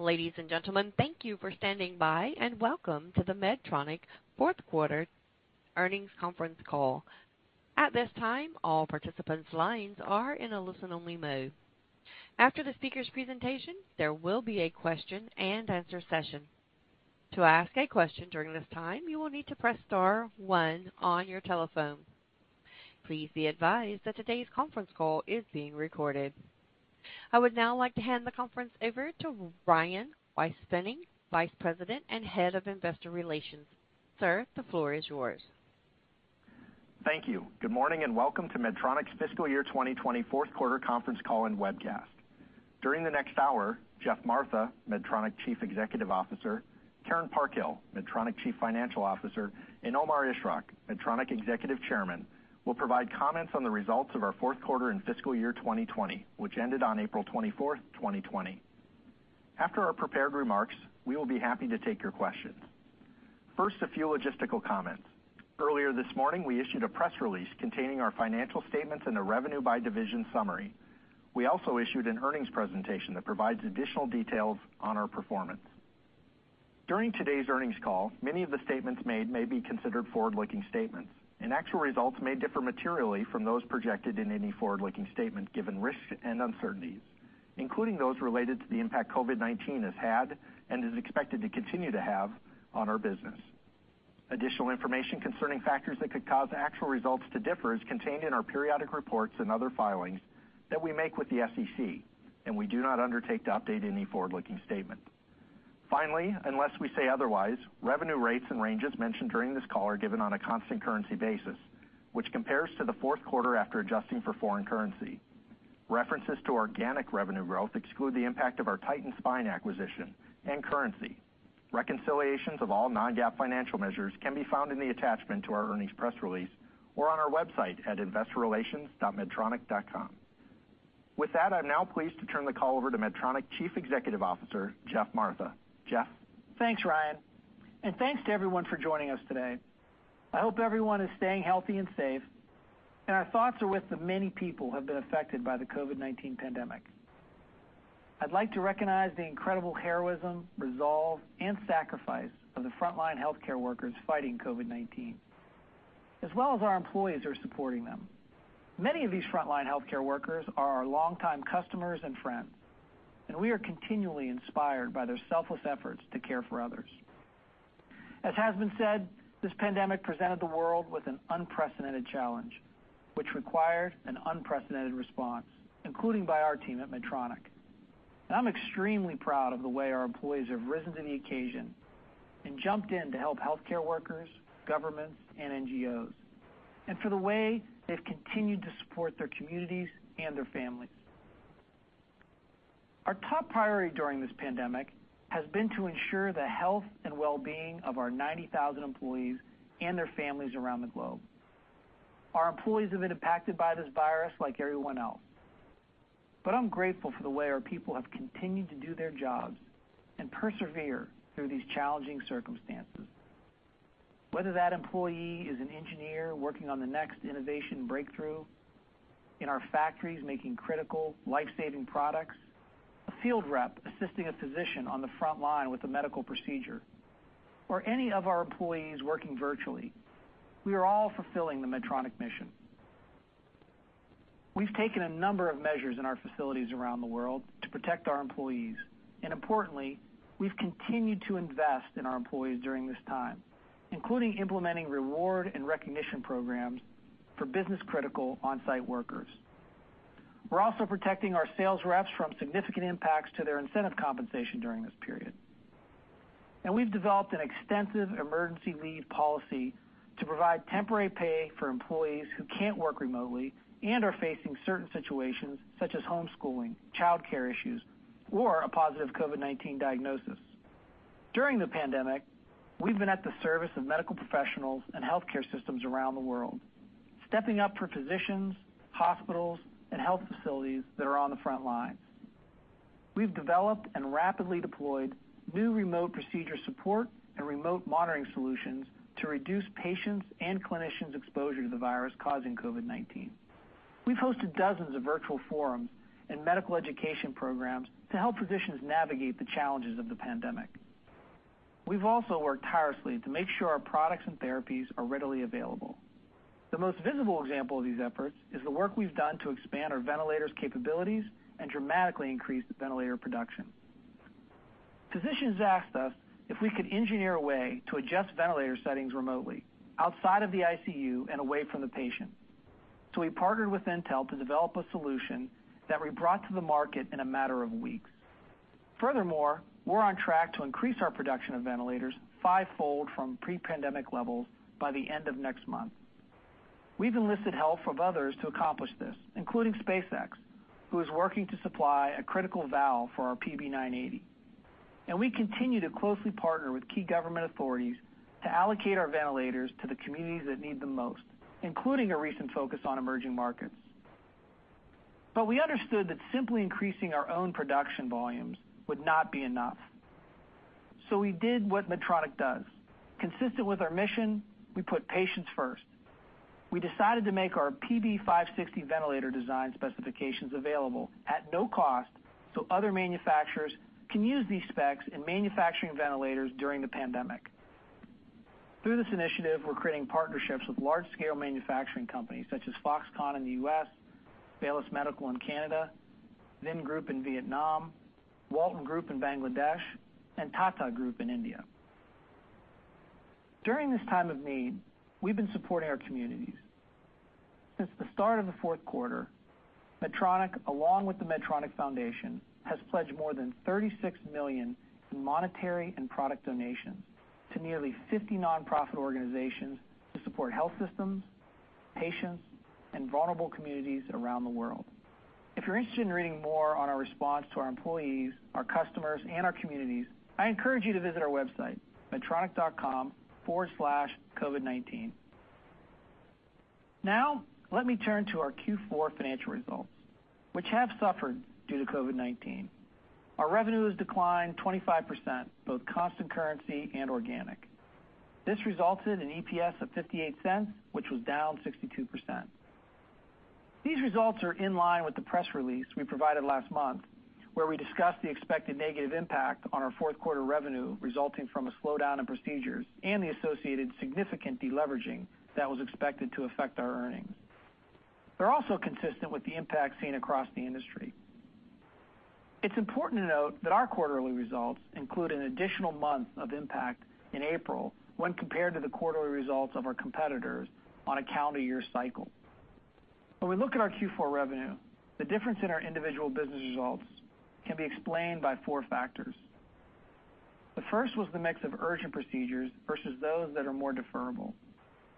Ladies and gentlemen, thank you for standing by, and welcome to the Medtronic fourth quarter earnings conference call. At this time, all participants' lines are in a listen-only mode. After the speakers' presentation, there will be a question-and-answer session. To ask a question during this time, you will need to press star one on your telephone. Please be advised that today's conference call is being recorded. I would now like to hand the conference over to Ryan Weispfenning, Vice President and Head of Investor Relations. Sir, the floor is yours. Thank you. Good morning and welcome to Medtronic's fiscal year 2020 fourth quarter conference call and webcast. During the next hour, Geoff Martha, Medtronic Chief Executive Officer, Karen Parkhill, Medtronic Chief Financial Officer, and Omar Ishrak, Medtronic Executive Chairman, will provide comments on the results of our fourth quarter and fiscal year 2020, which ended on April 24th, 2020. After our prepared remarks, we will be happy to take your questions. First, a few logistical comments. Earlier this morning, we issued a press release containing our financial statements and a revenue by division summary. We also issued an earnings presentation that provides additional details on our performance. During today's earnings call, many of the statements made may be considered forward-looking statements, and actual results may differ materially from those projected in any forward-looking statement given risks and uncertainties, including those related to the impact COVID-19 has had and is expected to continue to have on our business. Additional information concerning factors that could cause actual results to differ is contained in our periodic reports and other filings that we make with the SEC, and we do not undertake to update any forward-looking statement. Finally, unless we say otherwise, revenue rates and ranges mentioned during this call are given on a constant currency basis, which compares to the fourth quarter after adjusting for foreign currency. References to organic revenue growth exclude the impact of our Titan Spine acquisition and currency. Reconciliations of all non-GAAP financial measures can be found in the attachment to our earnings press release or on our website at investorrelations.medtronic.com. With that, I'm now pleased to turn the call over to Medtronic Chief Executive Officer, Geoff Martha. Geoff? Thanks, Ryan, thanks to everyone for joining us today. I hope everyone is staying healthy and safe, and our thoughts are with the many people who have been affected by the COVID-19 pandemic. I'd like to recognize the incredible heroism, resolve, and sacrifice of the frontline healthcare workers fighting COVID-19, as well as our employees who are supporting them. Many of these frontline healthcare workers are our longtime customers and friends, and we are continually inspired by their selfless efforts to care for others. As has been said, this pandemic presented the world with an unprecedented challenge, which required an unprecedented response, including by our team at Medtronic. I'm extremely proud of the way our employees have risen to the occasion and jumped in to help healthcare workers, governments, and NGOs, and for the way they've continued to support their communities and their families. Our top priority during this pandemic has been to ensure the health and well-being of our 90,000 employees and their families around the globe. Our employees have been impacted by this virus like everyone else. But I'm grateful for the way our people have continued to do their jobs and persevere through these challenging circumstances. Whether that employee is an engineer working on the next innovation breakthrough, in our factories making critical life-saving products, a field rep assisting a physician on the front line with a medical procedure, or any of our employees working virtually, we are all fulfilling the Medtronic mission. We've taken a number of measures in our facilities around the world to protect our employees, and importantly, we've continued to invest in our employees during this time, including implementing reward and recognition programs for business-critical on-site workers. We're also protecting our sales reps from significant impacts to their incentive compensation during this period. We've developed an extensive emergency leave policy to provide temporary pay for employees who can't work remotely and are facing certain situations such as homeschooling, childcare issues, or a positive COVID-19 diagnosis. During the pandemic, we've been at the service of medical professionals and healthcare systems around the world, stepping up for physicians, hospitals, and health facilities that are on the front lines. We've developed and rapidly deployed new remote procedure support and remote monitoring solutions to reduce patients' and clinicians' exposure to the virus causing COVID-19. We've hosted dozens of virtual forums and medical education programs to help physicians navigate the challenges of the pandemic. We've also worked tirelessly to make sure our products and therapies are readily available. The most visible example of these efforts is the work we've done to expand our ventilators' capabilities and dramatically increase the ventilator production. Physicians asked us if we could engineer a way to adjust ventilator settings remotely, outside of the ICU and away from the patient. We partnered with Intel to develop a solution that we brought to the market in a matter of weeks. Furthermore, we're on track to increase our production of ventilators five-fold from pre-pandemic levels by the end of next month. We've enlisted help from others to accomplish this, including SpaceX, who is working to supply a critical valve for our PB980. We continue to closely partner with key government authorities to allocate our ventilators to the communities that need them most, including a recent focus on emerging markets. We understood that simply increasing our own production volumes would not be enough. We did what Medtronic does. Consistent with our mission, we put patients first. We decided to make our PB 560 ventilator design specifications available at no cost so other manufacturers can use these specs in manufacturing ventilators during the pandemic. Through this initiative, we're creating partnerships with large-scale manufacturing companies such as Foxconn in the U.S., Baylis Medical in Canada, Vingroup in Vietnam, Walton Group in Bangladesh, and Tata Group in India. During this time of need, we've been supporting our communities. Since the start of the fourth quarter, Medtronic, along with the Medtronic Foundation, has pledged more than $36 million in monetary and product donations to nearly 50 non-profit organizations to support health systems, patients, and vulnerable communities around the world. If you're interested in reading more on our response to our employees, our customers, and our communities, I encourage you to visit our website, medtronic.com/covid19. Let me turn to our Q4 financial results, which have suffered due to COVID-19. Our revenue has declined 25%, both constant currency and organic. This resulted in EPS of $0.58, which was down 62%. These results are in line with the press release we provided last month, where we discussed the expected negative impact on our fourth quarter revenue resulting from a slowdown in procedures and the associated significant deleveraging that was expected to affect our earnings. They're also consistent with the impact seen across the industry. It's important to note that our quarterly results include an additional month of impact in April when compared to the quarterly results of our competitors on a calendar year cycle. When we look at our Q4 revenue, the difference in our individual business results can be explained by four factors. The first was the mix of urgent procedures versus those that are more deferrable.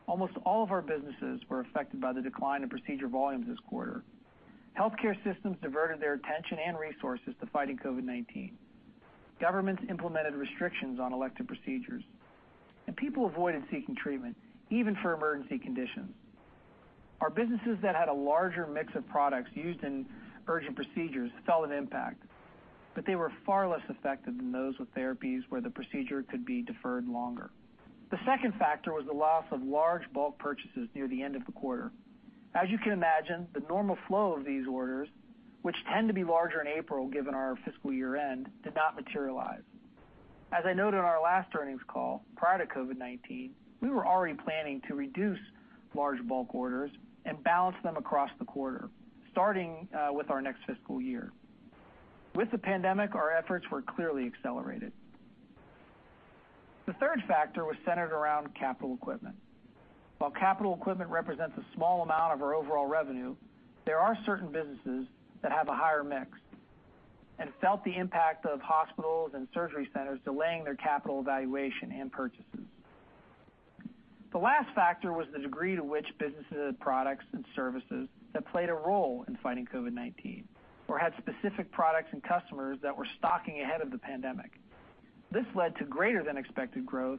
Almost all of our businesses were affected by the decline in procedure volumes this quarter. Healthcare systems diverted their attention and resources to fighting COVID-19. Governments implemented restrictions on elective procedures. People avoided seeking treatment, even for emergency conditions. Our businesses that had a larger mix of products used in urgent procedures felt an impact, but they were far less affected than those with therapies where the procedure could be deferred longer. The second factor was the loss of large bulk purchases near the end of the quarter. As you can imagine, the normal flow of these orders, which tend to be larger in April given our fiscal year end, did not materialize. As I noted on our last earnings call, prior to COVID-19, we were already planning to reduce large bulk orders and balance them across the quarter, starting with our next fiscal year. With the pandemic, our efforts were clearly accelerated. The third factor was centered around capital equipment. While capital equipment represents a small amount of our overall revenue, there are certain businesses that have a higher mix and felt the impact of hospitals and surgery centers delaying their capital evaluation and purchases. The last factor was the degree to which businesses had products and services that played a role in fighting COVID-19 or had specific products and customers that were stocking ahead of the pandemic. This led to greater than expected growth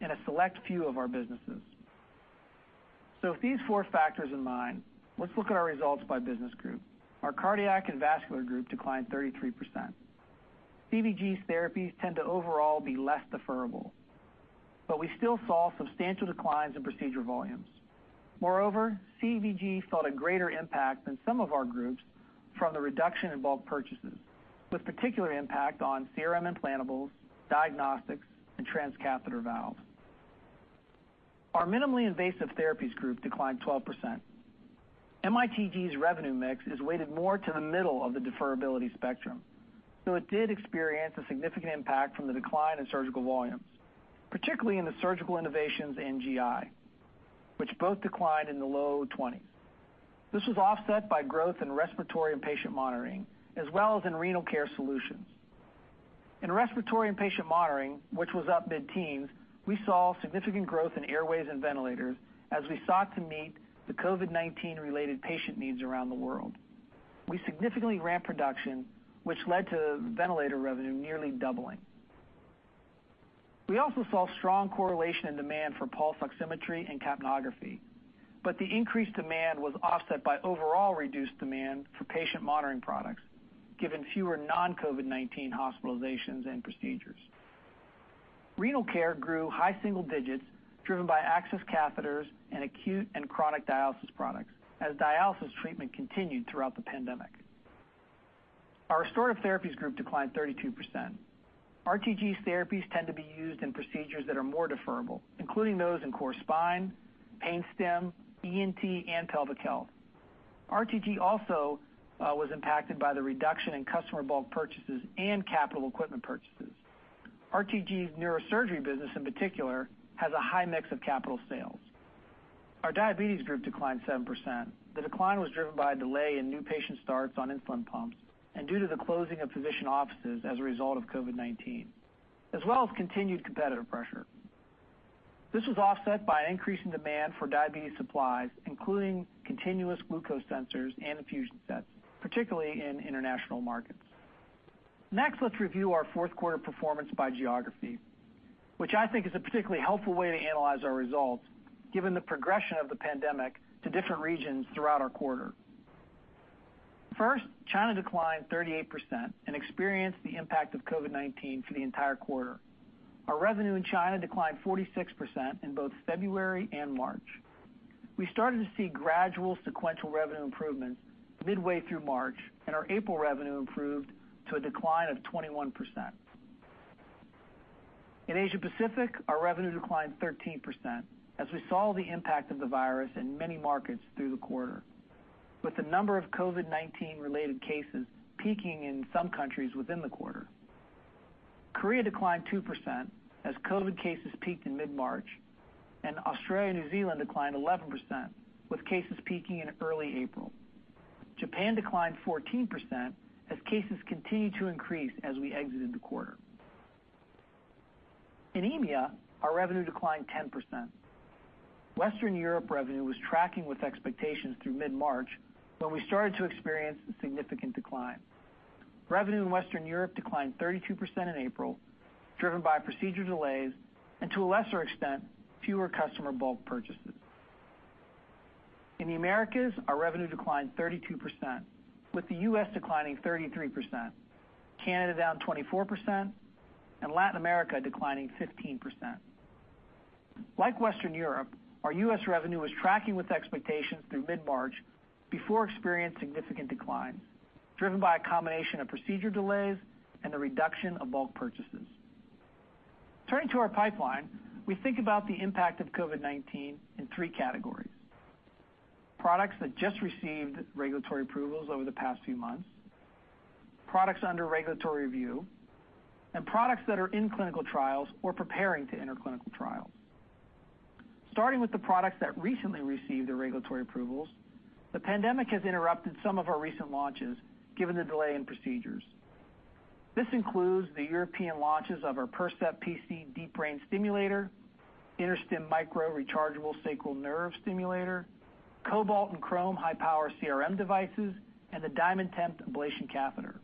in a select few of our businesses. With these four factors in mind, let's look at our results by business group. Our Cardiac and Vascular Group declined 33%. CVG's therapies tend to overall be less deferrable, we still saw substantial declines in procedure volumes. Moreover, CVG felt a greater impact than some of our groups from the reduction in bulk purchases, with particular impact on CRM implantables, diagnostics, and transcatheter valves. Our Minimally Invasive Therapies Group declined 12%. MITG's revenue mix is weighted more to the middle of the deferability spectrum, it did experience a significant impact from the decline in surgical volumes, particularly in the surgical innovations and GI, which both declined in the low 20s. This was offset by growth in respiratory and patient monitoring, as well as in renal care solutions. In respiratory and patient monitoring, which was up mid-teens, we saw significant growth in airways and ventilators as we sought to meet the COVID-19 related patient needs around the world. We significantly ramped production, which led to ventilator revenue nearly doubling. We also saw strong correlation in demand for pulse oximetry and capnography. The increased demand was offset by overall reduced demand for patient monitoring products, given fewer non-COVID-19 hospitalizations and procedures. Renal care grew high single digits, driven by access catheters and acute and chronic dialysis products, as dialysis treatment continued throughout the pandemic. Our Restorative Therapies Group declined 32%. RTG's therapies tend to be used in procedures that are more deferrable, including those in core spine, Pain Stim, ENT, and pelvic health. RTG also was impacted by the reduction in customer bulk purchases and capital equipment purchases. RTG's neurosurgery business in particular has a high mix of capital sales. Our Diabetes Group declined 7%. The decline was driven by a delay in new patient starts on insulin pumps and due to the closing of physician offices as a result of COVID-19, as well as continued competitive pressure. This was offset by an increase in demand for diabetes supplies, including continuous glucose sensors and infusion sets, particularly in international markets. Let's review our fourth quarter performance by geography, which I think is a particularly helpful way to analyze our results given the progression of the pandemic to different regions throughout our quarter. China declined 38% and experienced the impact of COVID-19 for the entire quarter. Our revenue in China declined 46% in both February and March. We started to see gradual sequential revenue improvement midway through March, and our April revenue improved to a decline of 21%. In Asia Pacific, our revenue declined 13% as we saw the impact of the virus in many markets through the quarter, with the number of COVID-19 related cases peaking in some countries within the quarter. Korea declined 2% as COVID cases peaked in mid-March, and Australia and New Zealand declined 11% with cases peaking in early April. Japan declined 14% as cases continued to increase as we exited the quarter. In EMEA, our revenue declined 10%. Western Europe revenue was tracking with expectations through mid-March, when we started to experience a significant decline. Revenue in Western Europe declined 32% in April, driven by procedure delays and to a lesser extent, fewer customer bulk purchases. In the Americas, our revenue declined 32%, with the U.S. declining 33%, Canada down 24%, and Latin America declining 15%. Like Western Europe, our U.S. revenue was tracking with expectations through mid-March before experiencing significant decline, driven by a combination of procedure delays and the reduction of bulk purchases. Turning to our pipeline, we think about the impact of COVID-19 in three categories. Products that just received regulatory approvals over the past few months, products under regulatory review, and products that are in clinical trials or preparing to enter clinical trials. Starting with the products that recently received the regulatory approvals, the pandemic has interrupted some of our recent launches given the delay in procedures. This includes the European launches of our Percept PC Deep Brain Stimulator, InterStim Micro Rechargeable Sacral Nerve Stimulator, Cobalt and Crome High Power CRM devices, and the DiamondTemp Ablation Catheter.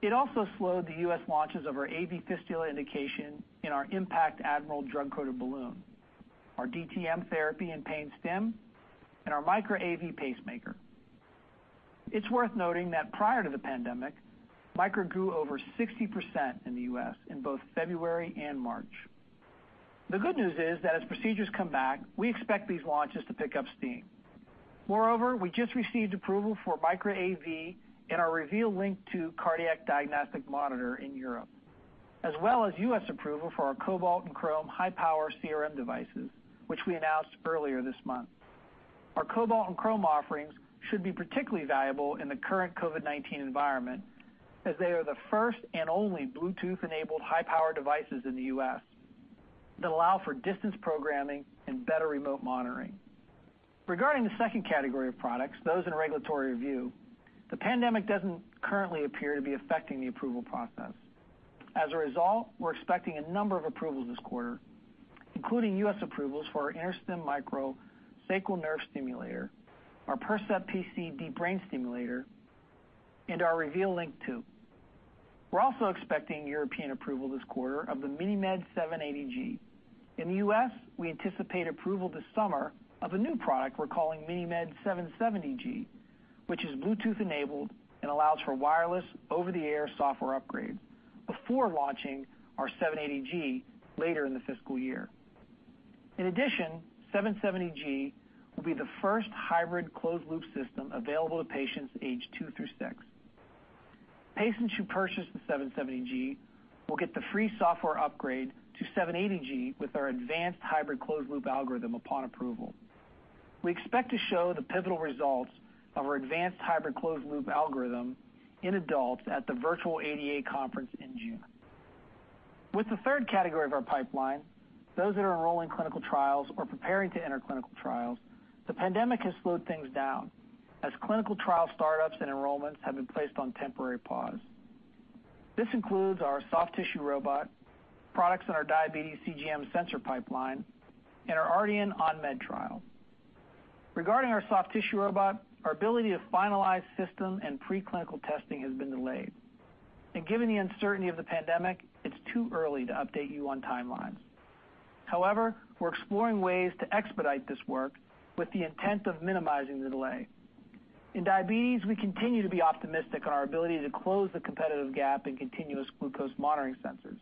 It also slowed the U.S. launches of our AV fistula indication in our IN.PACT Admiral drug-coated balloon, our DTM therapy and Pain Stim, and our Micra AV pacemaker. It's worth noting that prior to the pandemic, Micra grew over 60% in the U.S. in both February and March. The good news is that as procedures come back, we expect these launches to pick up steam. Moreover, we just received approval for Micra AV in our LINQ II cardiac diagnostic monitor in Europe, as well as U.S. approval for our Cobalt and Crome high power CRM devices, which we announced earlier this month. Our Cobalt and Crome offerings should be particularly valuable in the current COVID-19 environment as they are the first and only Bluetooth-enabled high-power devices in the U.S. that allow for distance programming and better remote monitoring. Regarding the second category of products, those in regulatory review, the pandemic doesn't currently appear to be affecting the approval process. As a result, we're expecting a number of approvals this quarter, including U.S. approvals for our InterStim Micro Sacral Nerve Stimulator, our Percept PC Deep Brain Stimulator, and our Reveal LINQ II. We're also expecting European approval this quarter of the MiniMed 780G. In the U.S., we anticipate approval this summer of a new product we're calling MiniMed 770G, which is Bluetooth enabled and allows for wireless over-the-air software upgrade before launching our 780G later in the fiscal year. In addition, 770G will be the first hybrid closed loop system available to patients aged two through six. Patients who purchase the 770G will get the free software upgrade to 780G with our advanced hybrid closed loop algorithm upon approval. We expect to show the pivotal results of our advanced hybrid closed loop algorithm in adults at the virtual ADA conference in June. With the third category of our pipeline, those that are enrolling clinical trials or preparing to enter clinical trials, the pandemic has slowed things down as clinical trial startups and enrollments have been placed on temporary pause. This includes our soft tissue robot, products in our diabetes CGM sensor pipeline, and our Ardian on-med trial. Regarding our soft tissue robot, our ability to finalize system and pre-clinical testing has been delayed. Given the uncertainty of the pandemic, it's too early to update you on timelines. However, we're exploring ways to expedite this work with the intent of minimizing the delay. In diabetes, we continue to be optimistic on our ability to close the competitive gap in continuous glucose monitoring sensors.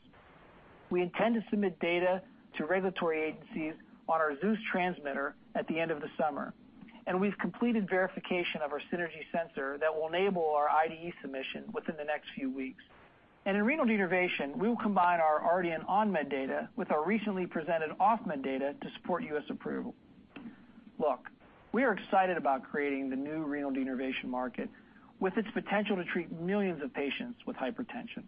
We intend to submit data to regulatory agencies on our Zeus transmitter at the end of the summer, and we've completed verification of our Synergy sensor that will enable our IDE submission within the next few weeks. In renal denervation, we will combine our Ardian on-med data with our recently presented off-med data to support U.S. approval. Look, we are excited about creating the new renal denervation market with its potential to treat millions of patients with hypertension.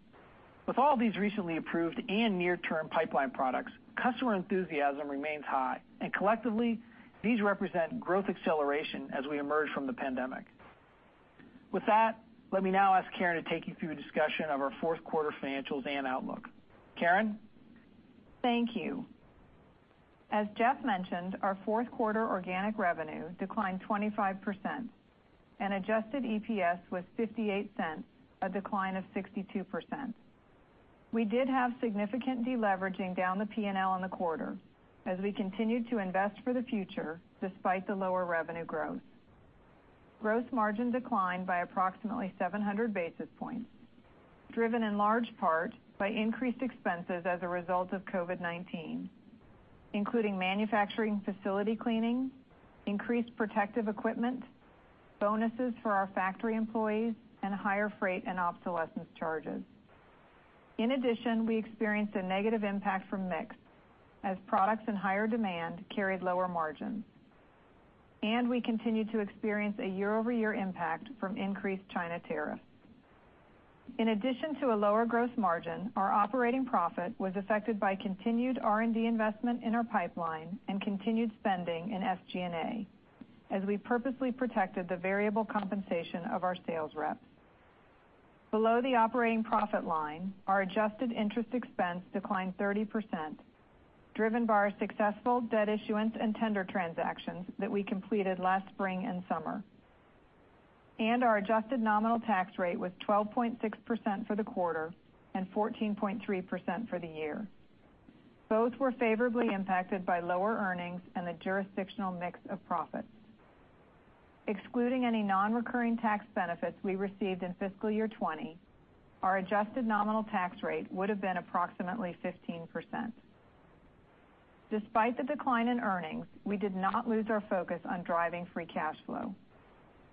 With all these recently approved and near-term pipeline products, customer enthusiasm remains high and collectively, these represent growth acceleration as we emerge from the pandemic. With that, let me now ask Karen to take you through a discussion of our fourth quarter financials and outlook. Karen? Thank you. As Geoff mentioned, our fourth quarter organic revenue declined 25% and adjusted EPS was $0.58, a decline of 62%. We did have significant deleveraging down the P&L in the quarter as we continued to invest for the future despite the lower revenue growth. Gross margin declined by approximately 700 basis points, driven in large part by increased expenses as a result of COVID-19, including manufacturing facility cleaning, increased protective equipment, bonuses for our factory employees, and higher freight and obsolescence charges. In addition, we experienced a negative impact from mix as products in higher demand carried lower margins. We continued to experience a YoY impact from increased China tariffs. In addition to a lower gross margin, our operating profit was affected by continued R&D investment in our pipeline and continued spending in SG&A as we purposely protected the variable compensation of our sales reps. Below the operating profit line, our adjusted interest expense declined 30%, driven by our successful debt issuance and tender transactions that we completed last spring and summer. Our adjusted nominal tax rate was 12.6% for the quarter and 14.3% for the year. Both were favorably impacted by lower earnings and the jurisdictional mix of profits. Excluding any non-recurring tax benefits we received in fiscal year 2020, our adjusted nominal tax rate would have been approximately 15%. Despite the decline in earnings, we did not lose our focus on driving free cash flow.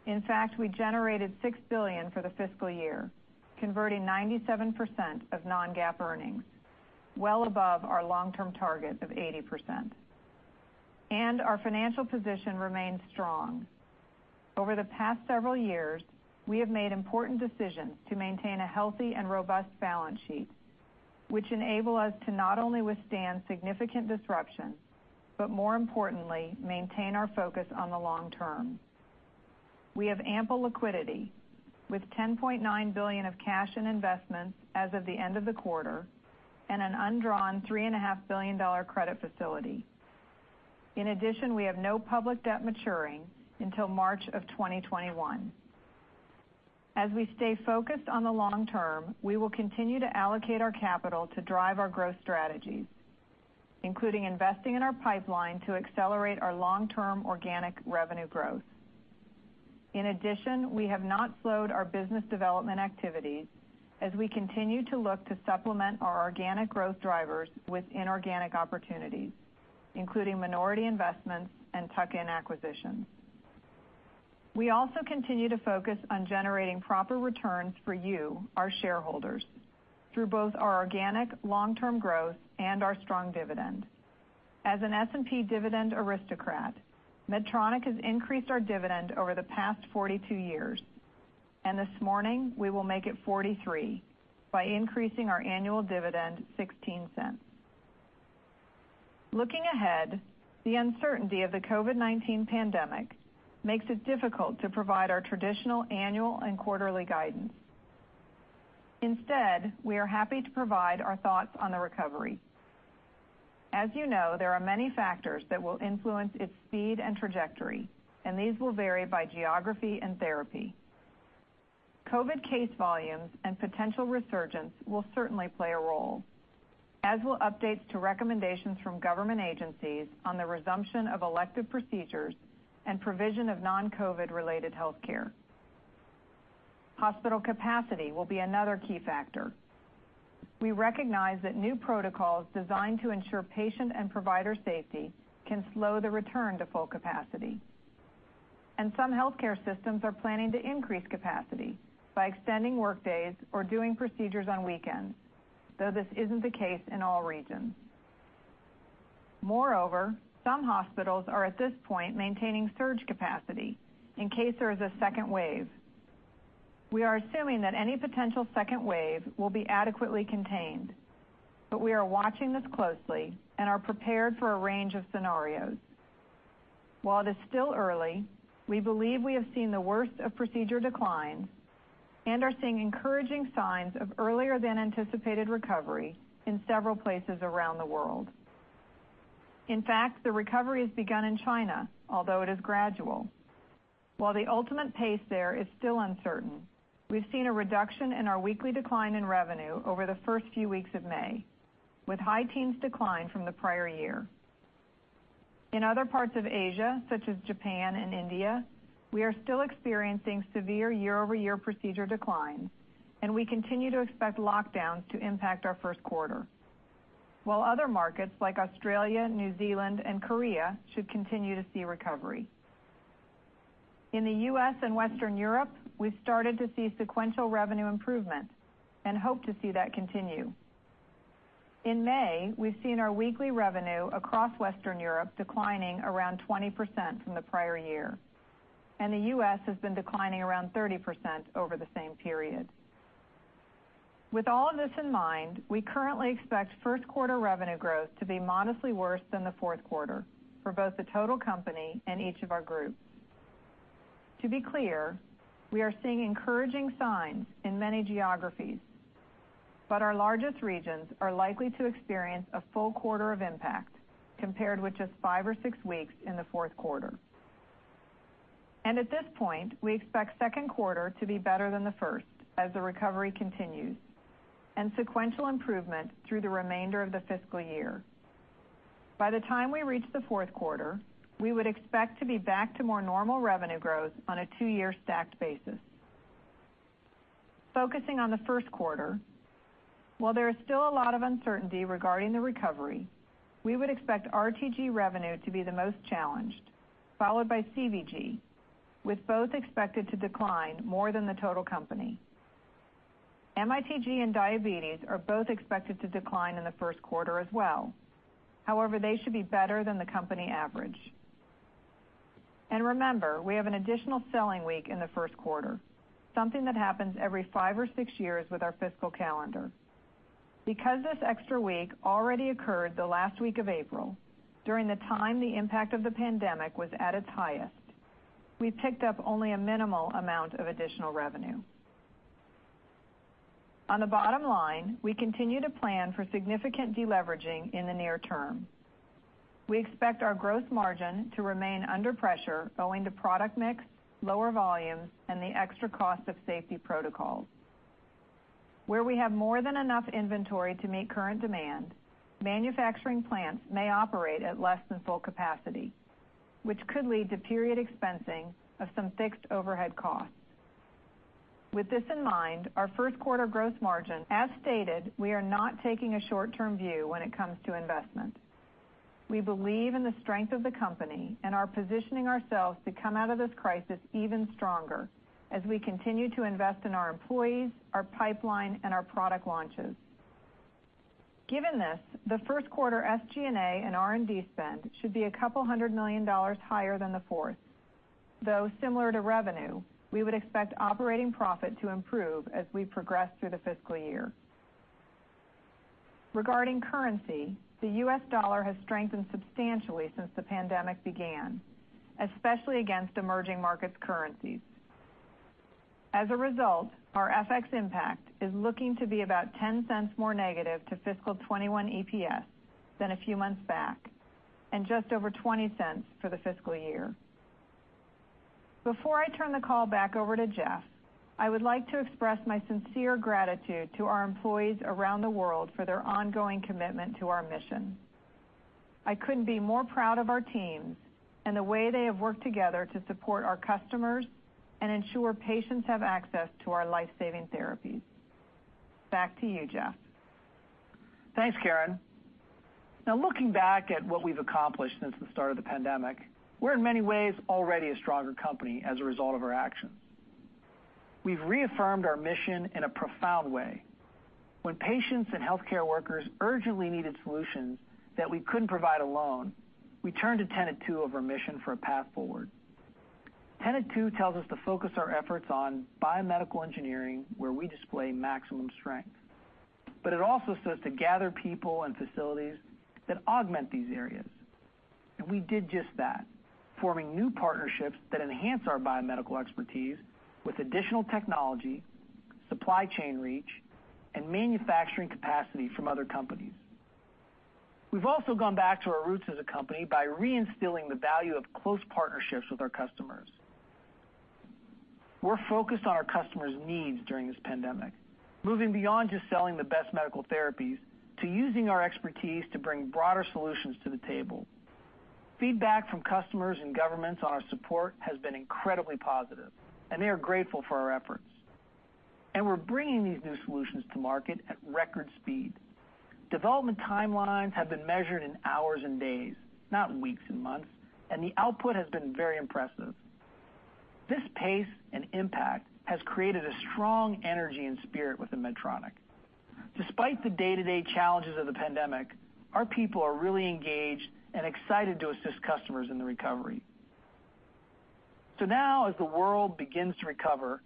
In fact, we generated $6 billion for the fiscal year, converting 97% of non-GAAP earnings, well above our long-term target of 80%. Our financial position remains strong. Over the past several years, we have made important decisions to maintain a healthy and robust balance sheet, which enable us to not only withstand significant disruption, but more importantly, maintain our focus on the long term. We have ample liquidity with $10.9 billion of cash and investments as of the end of the quarter and an undrawn $3.5 billion credit facility. In addition, we have no public debt maturing until March of 2021. As we stay focused on the long term, we will continue to allocate our capital to drive our growth strategies, including investing in our pipeline to accelerate our long-term organic revenue growth. In addition, we have not slowed our business development activities as we continue to look to supplement our organic growth drivers with inorganic opportunities, including minority investments and tuck-in acquisitions. We also continue to focus on generating proper returns for you, our shareholders, through both our organic long-term growth and our strong dividend. As an S&P Dividend Aristocrat, Medtronic has increased our dividend over the past 42 years. This morning, we will make it 43 by increasing our annual dividend $0.16. Looking ahead, the uncertainty of the COVID-19 pandemic makes it difficult to provide our traditional annual and quarterly guidance. Instead, we are happy to provide our thoughts on the recovery. As you know, there are many factors that will influence its speed and trajectory, and these will vary by geography and therapy. COVID case volumes and potential resurgence will certainly play a role, as will updates to recommendations from government agencies on the resumption of elective procedures and provision of non-COVID related healthcare. Hospital capacity will be another key factor. We recognize that new protocols designed to ensure patient and provider safety can slow the return to full capacity. Some healthcare systems are planning to increase capacity by extending work days or doing procedures on weekends, though this isn't the case in all regions. Moreover, some hospitals are at this point maintaining surge capacity in case there is a second wave. We are assuming that any potential second wave will be adequately contained, but we are watching this closely and are prepared for a range of scenarios. While it is still early, we believe we have seen the worst of procedure decline and are seeing encouraging signs of earlier than anticipated recovery in several places around the world. In fact, the recovery has begun in China, although it is gradual. While the ultimate pace there is still uncertain, we've seen a reduction in our weekly decline in revenue over the first few weeks of May, with high teens decline from the prior year. In other parts of Asia, such as Japan and India, we are still experiencing severe YoY procedure declines, and we continue to expect lockdowns to impact our first quarter. While other markets like Australia, New Zealand, and Korea should continue to see recovery. In the U.S. and Western Europe, we've started to see sequential revenue improvement and hope to see that continue. In May, we've seen our weekly revenue across Western Europe declining around 20% from the prior year, and the U.S. has been declining around 30% over the same period. With all of this in mind, we currently expect first quarter revenue growth to be modestly worse than the fourth quarter for both the total company and each of our groups. To be clear, we are seeing encouraging signs in many geographies, our largest regions are likely to experience a full quarter of impact compared with just five or six weeks in the fourth quarter. At this point, we expect second quarter to be better than the first as the recovery continues, and sequential improvement through the remainder of the fiscal year. By the time we reach the fourth quarter, we would expect to be back to more normal revenue growth on a two-year stacked basis. Focusing on the first quarter, while there is still a lot of uncertainty regarding the recovery, we would expect RTG revenue to be the most challenged, followed by CVG, with both expected to decline more than the total company. MITG and diabetes are both expected to decline in the first quarter as well. However, they should be better than the company average. Remember, we have an additional selling week in the first quarter, something that happens every five or six years with our fiscal calendar. Because this extra week already occurred the last week of April, during the time the impact of the pandemic was at its highest, we picked up only a minimal amount of additional revenue. On the bottom line, we continue to plan for significant deleveraging in the near term. We expect our gross margin to remain under pressure owing to product mix, lower volumes, and the extra cost of safety protocols. Where we have more than enough inventory to meet current demand, manufacturing plants may operate at less than full capacity, which could lead to period expensing of some fixed overhead costs. With this in mind, our first quarter gross margin as stated, we are not taking a short-term view when it comes to investment. We believe in the strength of the company and are positioning ourselves to come out of this crisis even stronger as we continue to invest in our employees, our pipeline, and our product launches. Given this, the first quarter SG&A and R&D spend should be a couple hundred million dollars higher than the fourth, though similar to revenue, we would expect operating profit to improve as we progress through the fiscal year. Regarding currency, the U.S. dollar has strengthened substantially since the pandemic began, especially against emerging markets currencies. As a result, our FX impact is looking to be about $0.10 more negative to fiscal 2021 EPS than a few months back, and just over $0.20 for the fiscal year. Before I turn the call back over to Geoff, I would like to express my sincere gratitude to our employees around the world for their ongoing commitment to our mission. I couldn't be more proud of our teams and the way they have worked together to support our customers and ensure patients have access to our life-saving therapies. Back to you, Geoff. Thanks, Karen. Now, looking back at what we've accomplished since the start of the pandemic, we're in many ways already a stronger company as a result of our actions. We've reaffirmed our mission in a profound way. When patients and healthcare workers urgently needed solutions that we couldn't provide alone, we turned to tenet 2 of our mission for a path forward. Tenet 2 tells us to focus our efforts on biomedical engineering where we display maximum strength. It also says to gather people and facilities that augment these areas. We did just that, forming new partnerships that enhance our biomedical expertise with additional technology, supply chain reach, and manufacturing capacity from other companies. We've also gone back to our roots as a company by reinstilling the value of close partnerships with our customers. We're focused on our customers' needs during this pandemic, moving beyond just selling the best medical therapies to using our expertise to bring broader solutions to the table. Feedback from customers and governments on our support has been incredibly positive, and they are grateful for our efforts. We're bringing these new solutions to market at record speed. Development timelines have been measured in hours and days, not in weeks and months, and the output has been very impressive. This pace and impact has created a strong energy and spirit within Medtronic. Despite the day-to-day challenges of the pandemic, our people are really engaged and excited to assist customers in the recovery. Now as the world begins to recover,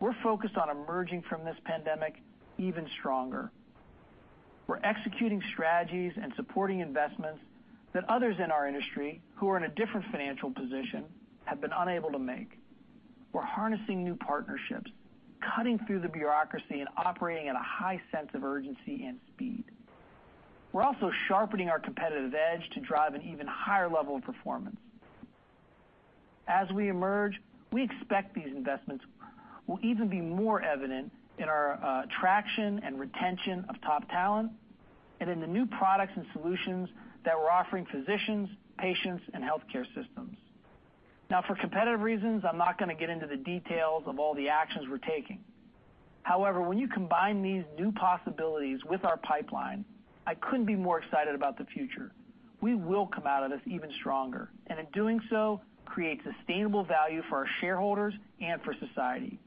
we're focused on emerging from this pandemic even stronger. We're executing strategies and supporting investments that others in our industry, who are in a different financial position, have been unable to make. We're harnessing new partnerships, cutting through the bureaucracy, and operating at a high sense of urgency and speed. We're also sharpening our competitive edge to drive an even higher level of performance. As we emerge, we expect these investments will even be more evident in our attraction and retention of top talent and in the new products and solutions that we're offering physicians, patients, and healthcare systems. Now, for competitive reasons, I'm not going to get into the details of all the actions we're taking. However, when you combine these new possibilities with our pipeline, I couldn't be more excited about the future. We will come out of this even stronger, and in doing so, create sustainable value for our shareholders and for society.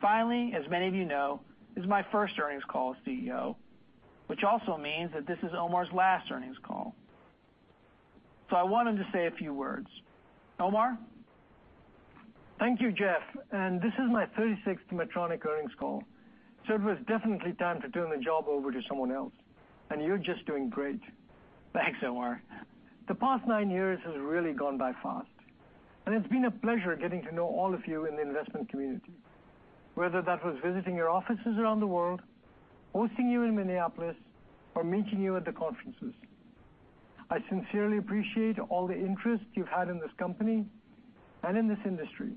Finally, as many of you know, this is my first earnings call as CEO, which also means that this is Omar's last earnings call. I want him to say a few words. Omar? Thank you, Geoff. This is my 36th Medtronic earnings call. It was definitely time to turn the job over to someone else. You're just doing great. Thanks, Omar. The past nine years has really gone by fast. It's been a pleasure getting to know all of you in the investment community, whether that was visiting your offices around the world, hosting you in Minneapolis, or meeting you at the conferences. I sincerely appreciate all the interest you've had in this company and in this industry,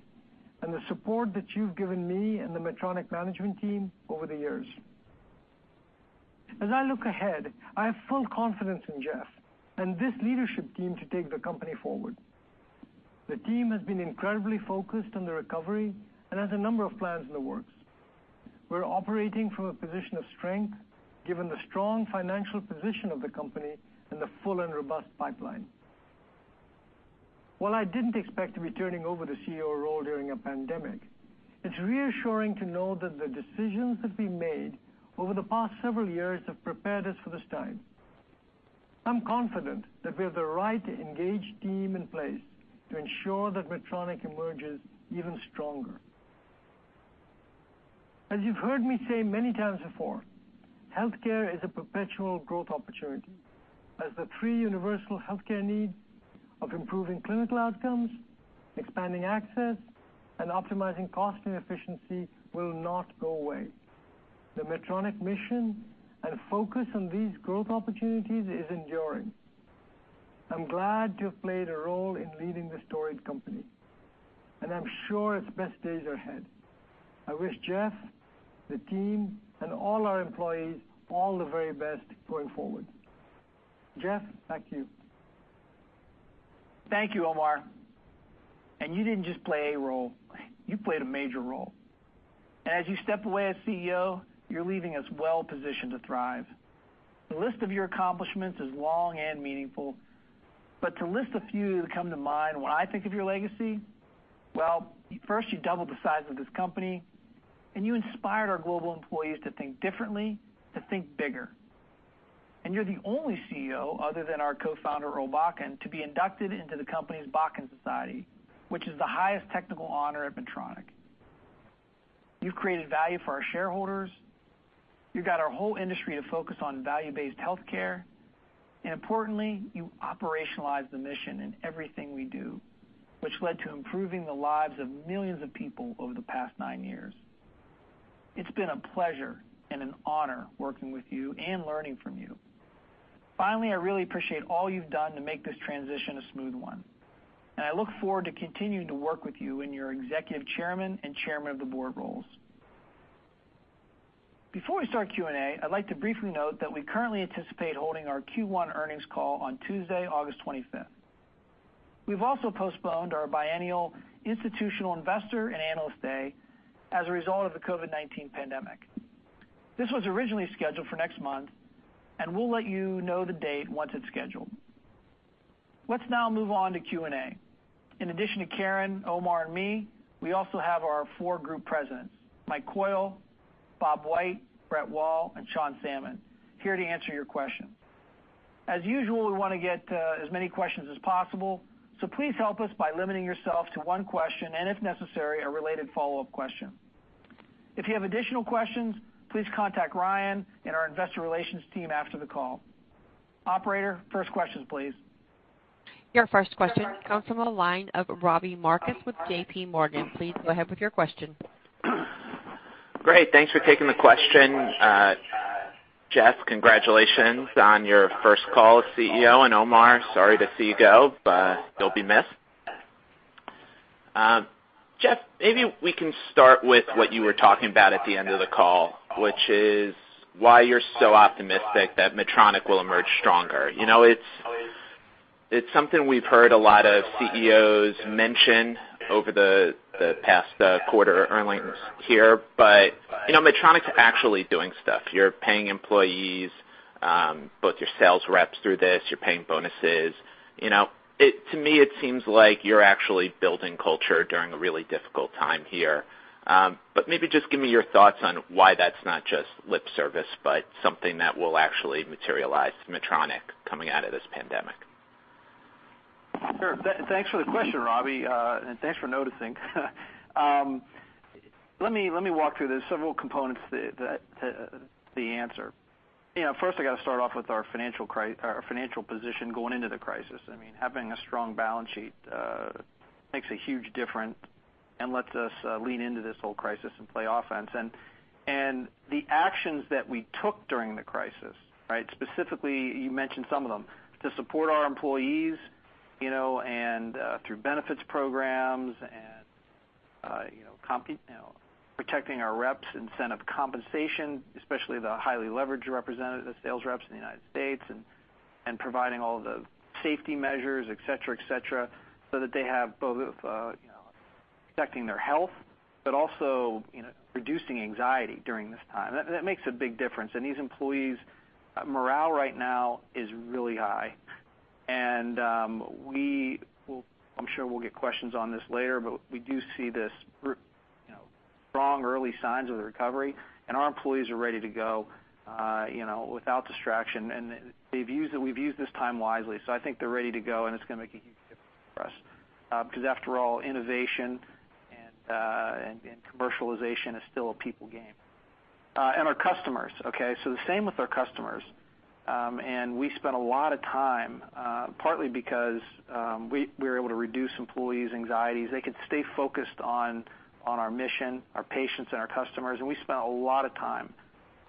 and the support that you've given me and the Medtronic management team over the years. As I look ahead, I have full confidence in Geoff and this leadership team to take the company forward. The team has been incredibly focused on the recovery and has a number of plans in the works. We're operating from a position of strength, given the strong financial position of the company and the full and robust pipeline. While I didn't expect to be turning over the CEO role during a pandemic, it's reassuring to know that the decisions that we made over the past several years have prepared us for this time. I'm confident that we have the right engaged team in place to ensure that Medtronic emerges even stronger. As you've heard me say many times before, healthcare is a perpetual growth opportunity as the three universal healthcare needs of improving clinical outcomes, expanding access, and optimizing cost and efficiency will not go away. The Medtronic mission and focus on these growth opportunities is enduring. I'm glad to have played a role in leading this storied company, and I'm sure its best days are ahead. I wish Geoff, the team, and all our employees all the very best going forward. Geoff, back to you. Thank you, Omar. You didn't just play a role, you played a major role. As you step away as CEO, you're leaving us well positioned to thrive. The list of your accomplishments is long and meaningful, but to list a few that come to mind when I think of your legacy, well, first, you doubled the size of this company, and you inspired our global employees to think differently, to think bigger. You're the only CEO, other than our co-founder, Earl Bakken, to be inducted into the company's Bakken Society, which is the highest technical honor at Medtronic. You've created value for our shareholders. You got our whole industry to focus on value-based healthcare. Importantly, you operationalized the mission in everything we do, which led to improving the lives of millions of people over the past nine years. It's been a pleasure and an honor working with you and learning from you. Finally, I really appreciate all you've done to make this transition a smooth one, and I look forward to continuing to work with you in your Executive Chairman and Chairman of the Board roles. Before we start Q&A, I'd like to briefly note that we currently anticipate holding our Q1 earnings call on Tuesday, August 25th. We've also postponed our biennial Institutional Investor and Analyst Day as a result of the COVID-19 pandemic. This was originally scheduled for next month. We'll let you know the date once it's scheduled. Let's now move on to Q&A. In addition to Karen, Omar, and me, we also have our four group presidents, Mike Coyle, Bob White, Brett Wall, and Sean Salmon, here to answer your questions. As usual, we want to get as many questions as possible, please help us by limiting yourself to one question and, if necessary, a related follow-up question. If you have additional questions, please contact Ryan and our investor relations team after the call. Operator, first question, please. Your first question comes from the line of Robbie Marcus with JP Morgan. Please go ahead with your question. Great. Thanks for taking the question. Geoff, congratulations on your first call as CEO. Omar, sorry to see you go. You'll be missed. Geoff, maybe we can start with what you were talking about at the end of the call, which is why you're so optimistic that Medtronic will emerge stronger. It's something we've heard a lot of CEOs mention over the past quarter earnings here. Medtronic's actually doing stuff. You're paying employees, both your sales reps through this. You're paying bonuses. To me, it seems like you're actually building culture during a really difficult time here. Maybe just give me your thoughts on why that's not just lip service, but something that will actually materialize Medtronic coming out of this pandemic. Sure. Thanks for the question, Robbie. Thanks for noticing. Let me walk through the several components to the answer. First I got to start off with our financial position going into the crisis. Having a strong balance sheet makes a huge difference and lets us lean into this whole crisis and play offense. The actions that we took during the crisis, specifically, you mentioned some of them. To support our employees and through benefits programs and protecting our reps, incentive compensation, especially the highly leveraged sales reps in the U.S. and providing all the safety measures, et cetera, so that they have both protecting their health but also reducing anxiety during this time. That makes a big difference, and these employees' morale right now is really high. I'm sure we'll get questions on this later, but we do see strong early signs of the recovery, and our employees are ready to go without distraction. We've used this time wisely, so I think they're ready to go, and it's going to make a huge difference for us. Because after all, innovation and commercialization is still a people game. Our customers, okay? The same with our customers. We spent a lot of time, partly because we were able to reduce employees' anxieties. They could stay focused on our mission, our patients, and our customers, and we spent a lot of time,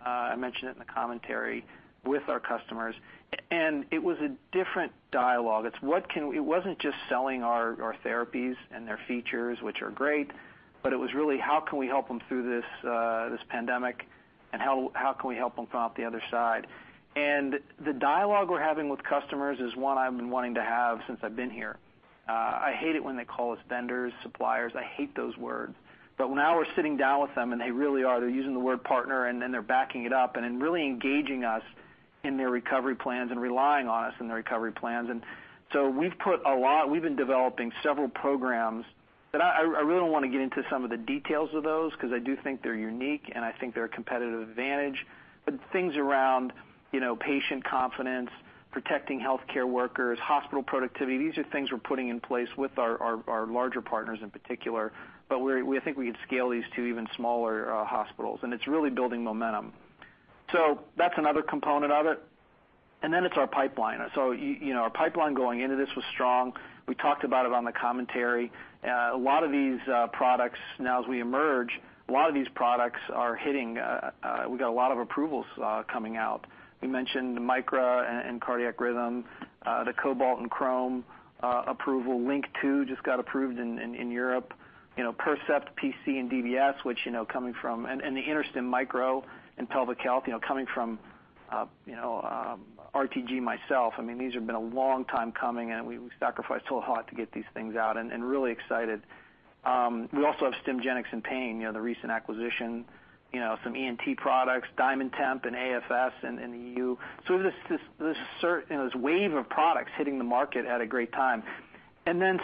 I mentioned it in the commentary, with our customers, and it was a different dialogue. It wasn't just selling our therapies and their features, which are great, but it was really how can we help them through this pandemic, and how can we help them come out the other side. The dialogue we're having with customers is one I've been wanting to have since I've been here. I hate it when they call us vendors, suppliers. I hate those words. Now we're sitting down with them, and they really are, they're using the word partner, and they're backing it up and really engaging us in their recovery plans and relying on us in their recovery plans. We've been developing several programs that I really don't want to get into some of the details of those because I do think they're unique, and I think they're a competitive advantage. Things around patient confidence, protecting healthcare workers, hospital productivity, these are things we're putting in place with our larger partners in particular. We think we can scale these to even smaller hospitals, and it's really building momentum. That's another component of it. Then it's our pipeline. Our pipeline going into this was strong. We talked about it on the commentary. A lot of these products now, as we emerge, a lot of these products are hitting. We got a lot of approvals coming out. We mentioned Micra in cardiac rhythm, the Cobalt and Crome approval. LINQ II just got approved in Europe. Percept PC in DBS and the InterStim Micro in pelvic health, coming from RTG myself, these have been a long time coming, and we sacrificed a lot to get these things out and really excited. We also have Stimgenics in Pain Stim, the recent acquisition, some ENT products, DiamondTemp and AF Solutions in the EU. This wave of products hitting the market at a great time.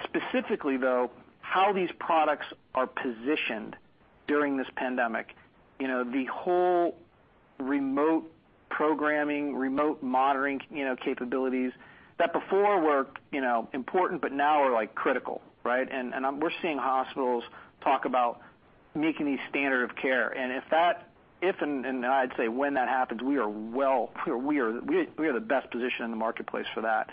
Specifically, though, how these products are positioned during this pandemic. The whole remote programming, remote monitoring capabilities that before were important but now are critical, right? We're seeing hospitals talk about making these standard of care. If that, if and I'd say when that happens, we are the best positioned in the marketplace for that.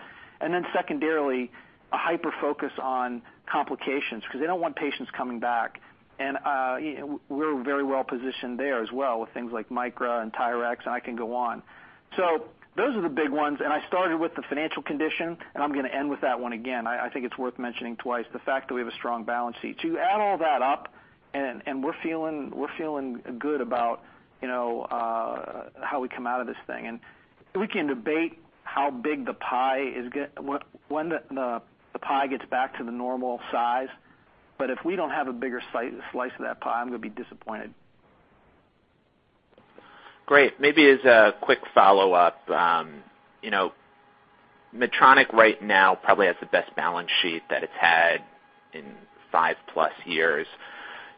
Secondarily, a hyper-focus on complications because they don't want patients coming back. We're very well positioned there as well with things like Micra and TYRX, and I can go on. Those are the big ones, and I started with the financial condition, and I'm going to end with that one again. I think it's worth mentioning twice the fact that we have a strong balance sheet. You add all that up, we're feeling good about how we come out of this thing. We can debate when the pie gets back to the normal size. If we don't have a bigger slice of that pie, I'm going to be disappointed. Great. Maybe as a quick follow-up. Medtronic right now probably has the best balance sheet that it's had in five-plus years.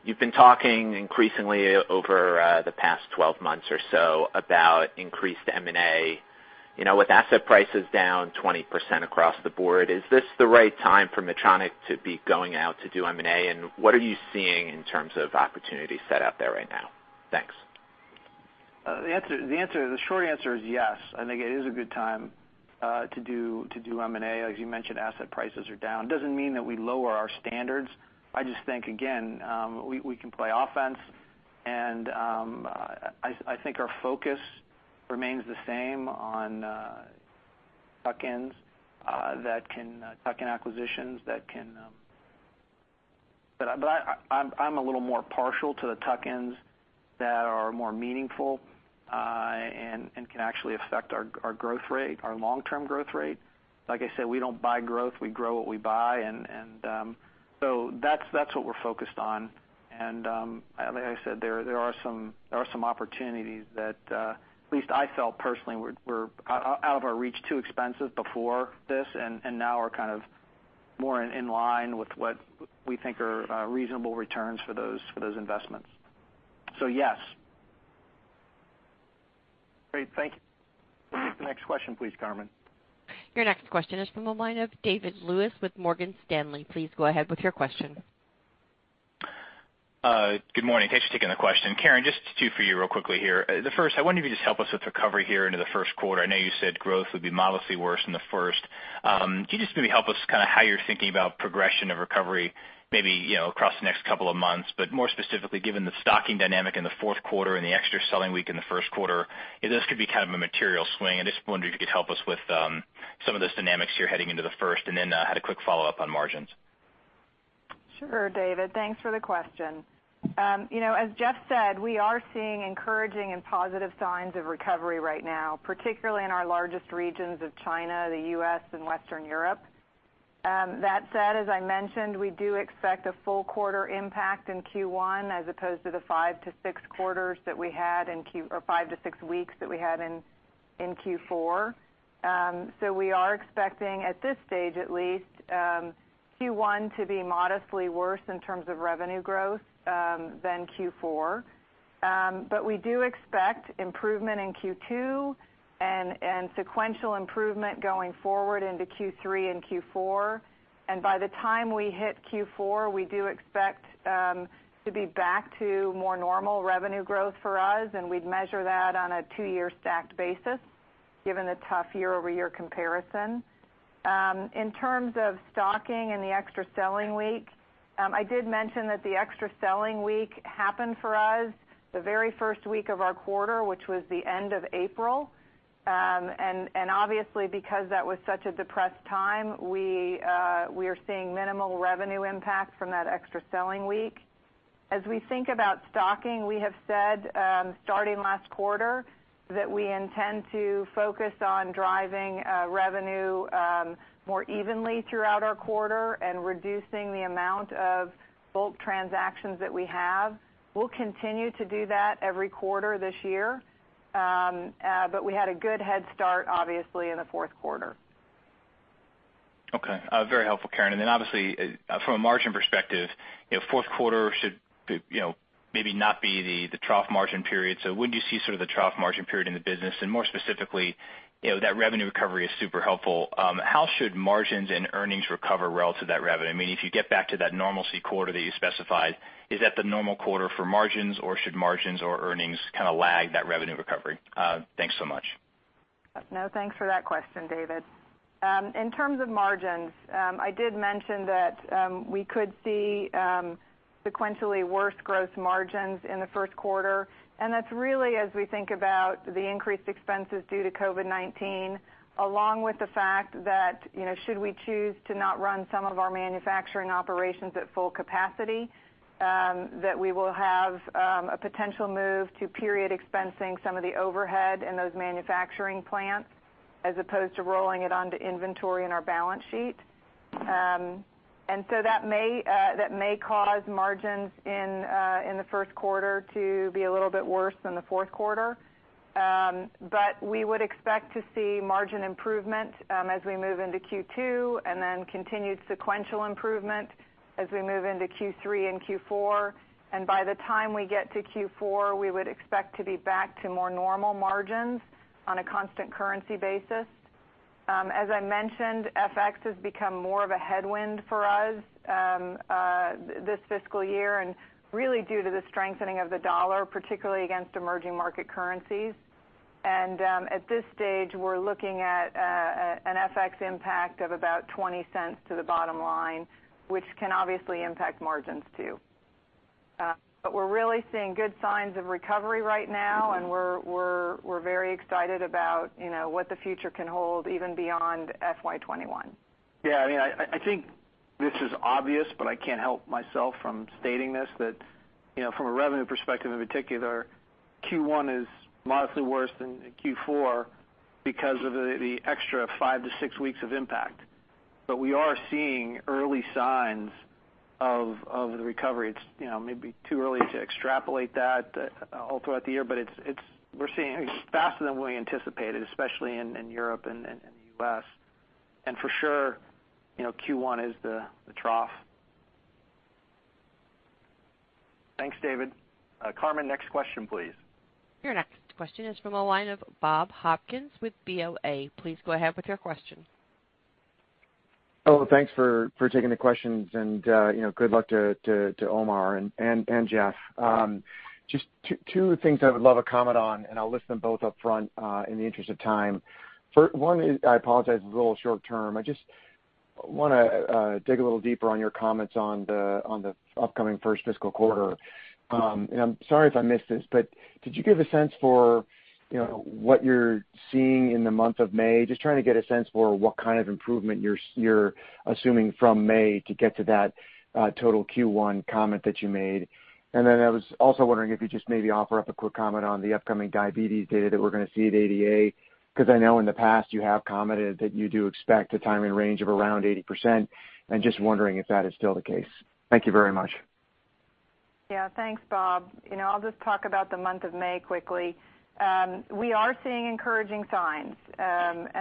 You've been talking increasingly over the past 12 months or so about increased M&A. With asset prices down 20% across the board, is this the right time for Medtronic to be going out to do M&A, and what are you seeing in terms of opportunities set out there right now? Thanks. The short answer is yes, I think it is a good time to do M&A. As you mentioned, asset prices are down. It doesn't mean that we lower our standards. I just think, again, we can play offense, and I think our focus remains the same on tuck-in acquisitions. I'm a little more partial to the tuck-ins that are more meaningful and can actually affect our long-term growth rate. Like I said, we don't buy growth. We grow what we buy. That's what we're focused on. Like I said, there are some opportunities that at least I felt personally were out of our reach, too expensive before this, and now are kind of more in line with what we think are reasonable returns for those investments. So, yes. Great. Thank you. The next question, please, Carmen. Your next question is from the line of David Lewis with Morgan Stanley. Please go ahead with your question. Good morning. Thanks for taking the question. Karen, just two for you real quickly here. The first, I wonder if you could just help us with recovery here into the first quarter. I know you said growth would be modestly worse in the first. Can you just maybe help us kind of how you're thinking about progression of recovery, maybe across the next couple of months, but more specifically, given the stocking dynamic in the fourth quarter and the extra selling week in the first quarter, this could be kind of a material swing. I just wondered if you could help us with some of those dynamics here heading into the first, and then had a quick follow-up on margins. Sure, David, thanks for the question. As Geoff said, we are seeing encouraging and positive signs of recovery right now, particularly in our largest regions of China, the U.S., and Western Europe. That said, as I mentioned, we do expect a full quarter impact in Q1 as opposed to the five to six weeks that we had in Q4. We are expecting, at this stage at least, Q1 to be modestly worse in terms of revenue growth than Q4. We do expect improvement in Q2 and sequential improvement going forward into Q3 and Q4. By the time we hit Q4, we do expect to be back to more normal revenue growth for us, and we'd measure that on a two-year stacked basis. Given the tough YoY comparison. In terms of stocking and the extra selling week, I did mention that the extra selling week happened for us the very first week of our quarter, which was the end of April. Obviously, because that was such a depressed time, we are seeing minimal revenue impact from that extra selling week. As we think about stocking, we have said, starting last quarter, that we intend to focus on driving revenue more evenly throughout our quarter and reducing the amount of bulk transactions that we have. We'll continue to do that every quarter this year. We had a good head start, obviously, in the fourth quarter. Okay. Very helpful, Karen. Then obviously, from a margin perspective, fourth quarter should maybe not be the trough margin period. When do you see the trough margin period in the business? More specifically, that revenue recovery is super helpful. How should margins and earnings recover relative to that revenue? If you get back to that normalcy quarter that you specified, is that the normal quarter for margins, or should margins or earnings kind of lag that revenue recovery? Thanks so much. No, thanks for that question, David. In terms of margins, I did mention that we could see sequentially worse gross margins in the first quarter. That's really as we think about the increased expenses due to COVID-19, along with the fact that, should we choose to not run some of our manufacturing operations at full capacity, that we will have a potential move to period expensing some of the overhead in those manufacturing plants as opposed to rolling it onto inventory in our balance sheet. So that may cause margins in the first quarter to be a little bit worse than the fourth quarter. We would expect to see margin improvement as we move into Q2 and then continued sequential improvement as we move into Q3 and Q4. By the time we get to Q4, we would expect to be back to more normal margins on a constant currency basis. As I mentioned, FX has become more of a headwind for us this fiscal year, and really due to the strengthening of the dollar, particularly against emerging market currencies. At this stage, we're looking at an FX impact of about $0.20 to the bottom line, which can obviously impact margins, too. We're really seeing good signs of recovery right now, and we're very excited about what the future can hold, even beyond FY 2021. Yeah, I think this is obvious, I can't help myself from stating this, that from a revenue perspective in particular, Q1 is modestly worse than Q4 because of the extra five to six weeks of impact. We are seeing early signs of the recovery. It's maybe too early to extrapolate that all throughout the year, we're seeing it's faster than we anticipated, especially in Europe and the U.S. For sure, Q1 is the trough. Thanks, David. Carmen, next question, please. Your next question is from the line of Bob Hopkins with BofA. Please go ahead with your question. Thanks for taking the questions and good luck to Omar and Geoff. Just two things I would love a comment on. I'll list them both upfront in the interest of time. One is, I apologize, it's a little short term. I just want to dig a little deeper on your comments on the upcoming first fiscal quarter. I'm sorry if I missed this, but did you give a sense for what you're seeing in the month of May? Just trying to get a sense for what kind of improvement you're assuming from May to get to that total Q1 comment that you made. I was also wondering if you'd just maybe offer up a quick comment on the upcoming diabetes data that we're going to see at ADA, because I know in the past you have commented that you do expect a time in range of around 80%, and just wondering if that is still the case. Thank you very much. Yeah. Thanks, Bob. I'll just talk about the month of May quickly. We are seeing encouraging signs.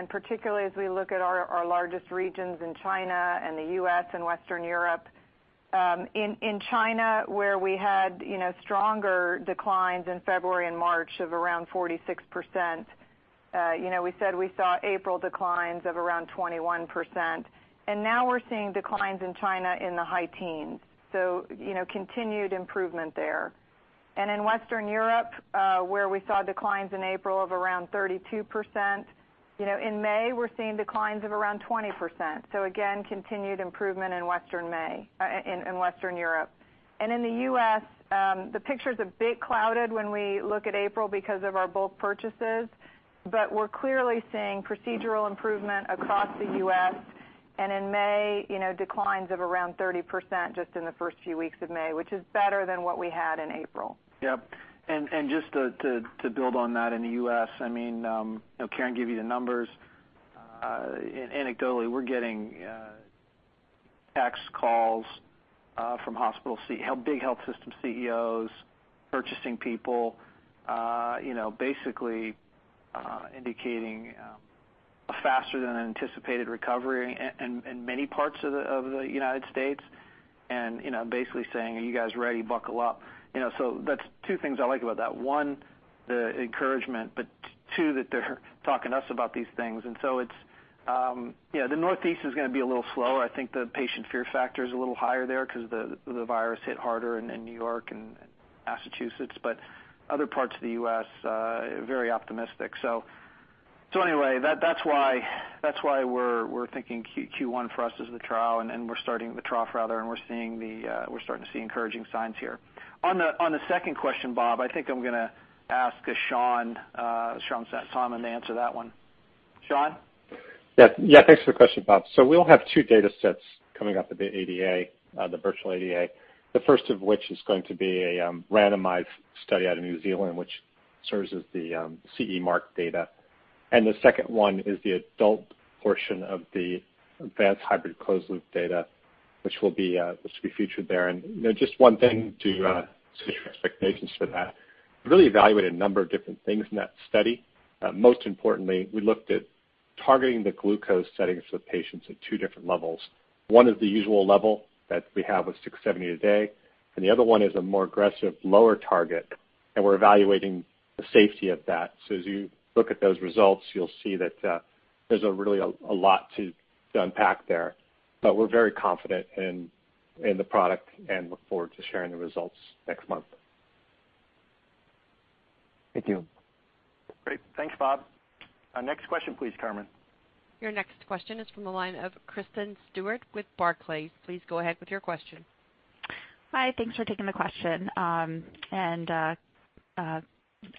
Particularly as we look at our largest regions in China and the U.S. and Western Europe. In China, where we had stronger declines in February and March of around 46%, we said we saw April declines of around 21%. Now we're seeing declines in China in the high teens. Continued improvement there. In Western Europe, where we saw declines in April of around 32%, in May, we're seeing declines of around 20%. Again, continued improvement in Western Europe. In the U.S., the picture's a bit clouded when we look at April because of our bulk purchases, but we're clearly seeing procedural improvement across the U.S., and in May, declines of around 30% just in the first few weeks of May, which is better than what we had in April. Yep. Just to build on that in the U.S., Karen gave you the numbers. Anecdotally, we're getting text calls from big health system CEOs, purchasing people, basically indicating a faster than anticipated recovery in many parts of the United States and basically saying, "Are you guys ready? Buckle up." That's two things I like about that. One, the encouragement, but two, that they're talking to us about these things. It's the Northeast is going to be a little slower. I think the patient fear factor is a little higher there because the virus hit harder in New York and Massachusetts, but other parts of the U.S., very optimistic. That's why we're thinking Q1 for us is the trough, and we're starting to see encouraging signs here. On the second question, Bob, I think I'm going to ask Sean Salmon to answer that one. Sean? Yeah. Thanks for the question, Bob. We'll have two data sets coming out of the ADA, the virtual ADA. The first of which is going to be a randomized study out of New Zealand, which serves as the CE Mark data. The second one is the adult portion of the advanced hybrid closed loop data, which will be featured there. Just one thing to set your expectations for that. We really evaluated a number of different things in that study. Most importantly, we looked at targeting the glucose settings for patients at two different levels. One is the usual level that we have of 670G a day, and the other one is a more aggressive, lower target, and we're evaluating the safety of that. As you look at those results, you'll see that there's really a lot to unpack there. We're very confident in the product and look forward to sharing the results next month. Thank you. Great. Thanks, Bob. Next question please, Carmen. Your next question is from the line of Kristen Stewart with Barclays. Please go ahead with your question. Hi. Thanks for taking the question.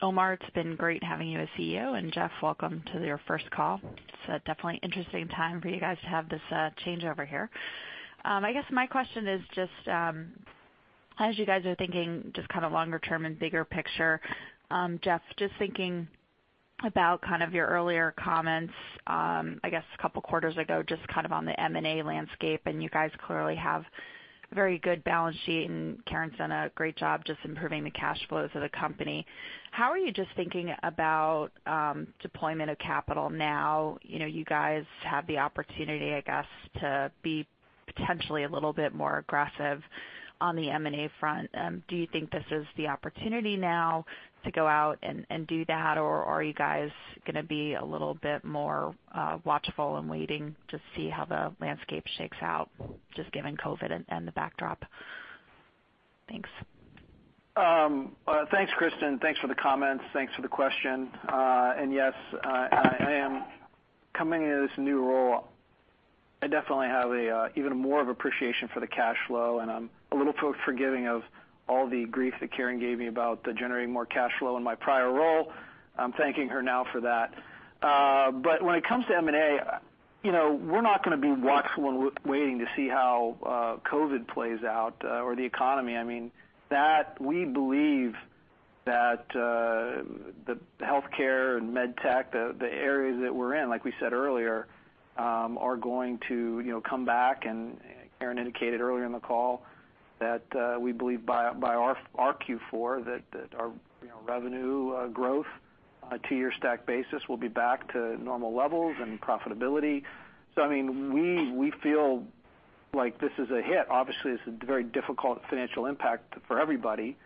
Omar, it's been great having you as CEO, Geoff, welcome to your first call. It's a definitely interesting time for you guys to have this changeover here. I guess my question is, as you guys are thinking kind of longer term and bigger picture, Geoff, thinking about kind of your earlier comments, a couple of quarters ago, kind of on the M&A landscape, and Karen's done a great job just improving the cash flows of the company. How are you thinking about deployment of capital now? You guys have the opportunity to be potentially a little bit more aggressive on the M&A front. Do you think this is the opportunity now to go out and do that, or are you guys going to be a little bit more watchful and waiting to see how the landscape shakes out, just given COVID and the backdrop? Thanks. Thanks, Kristen. Thanks for the comments. Thanks for the question. Yes, coming into this new role, I definitely have even more of appreciation for the cash flow, and I'm a little forgiving of all the grief that Karen gave me about generating more cash flow in my prior role. I'm thanking her now for that. When it comes to M&A, we're not going to be watchful and waiting to see how COVID-19 plays out, or the economy. We believe that the healthcare and medtech, the areas that we're in, like we said earlier, are going to come back. Karen indicated earlier in the call that we believe by our Q4 that our revenue growth on a two-year stack basis will be back to normal levels and profitability. We feel like this is a hit. Obviously, it's a very difficult financial impact for everybody,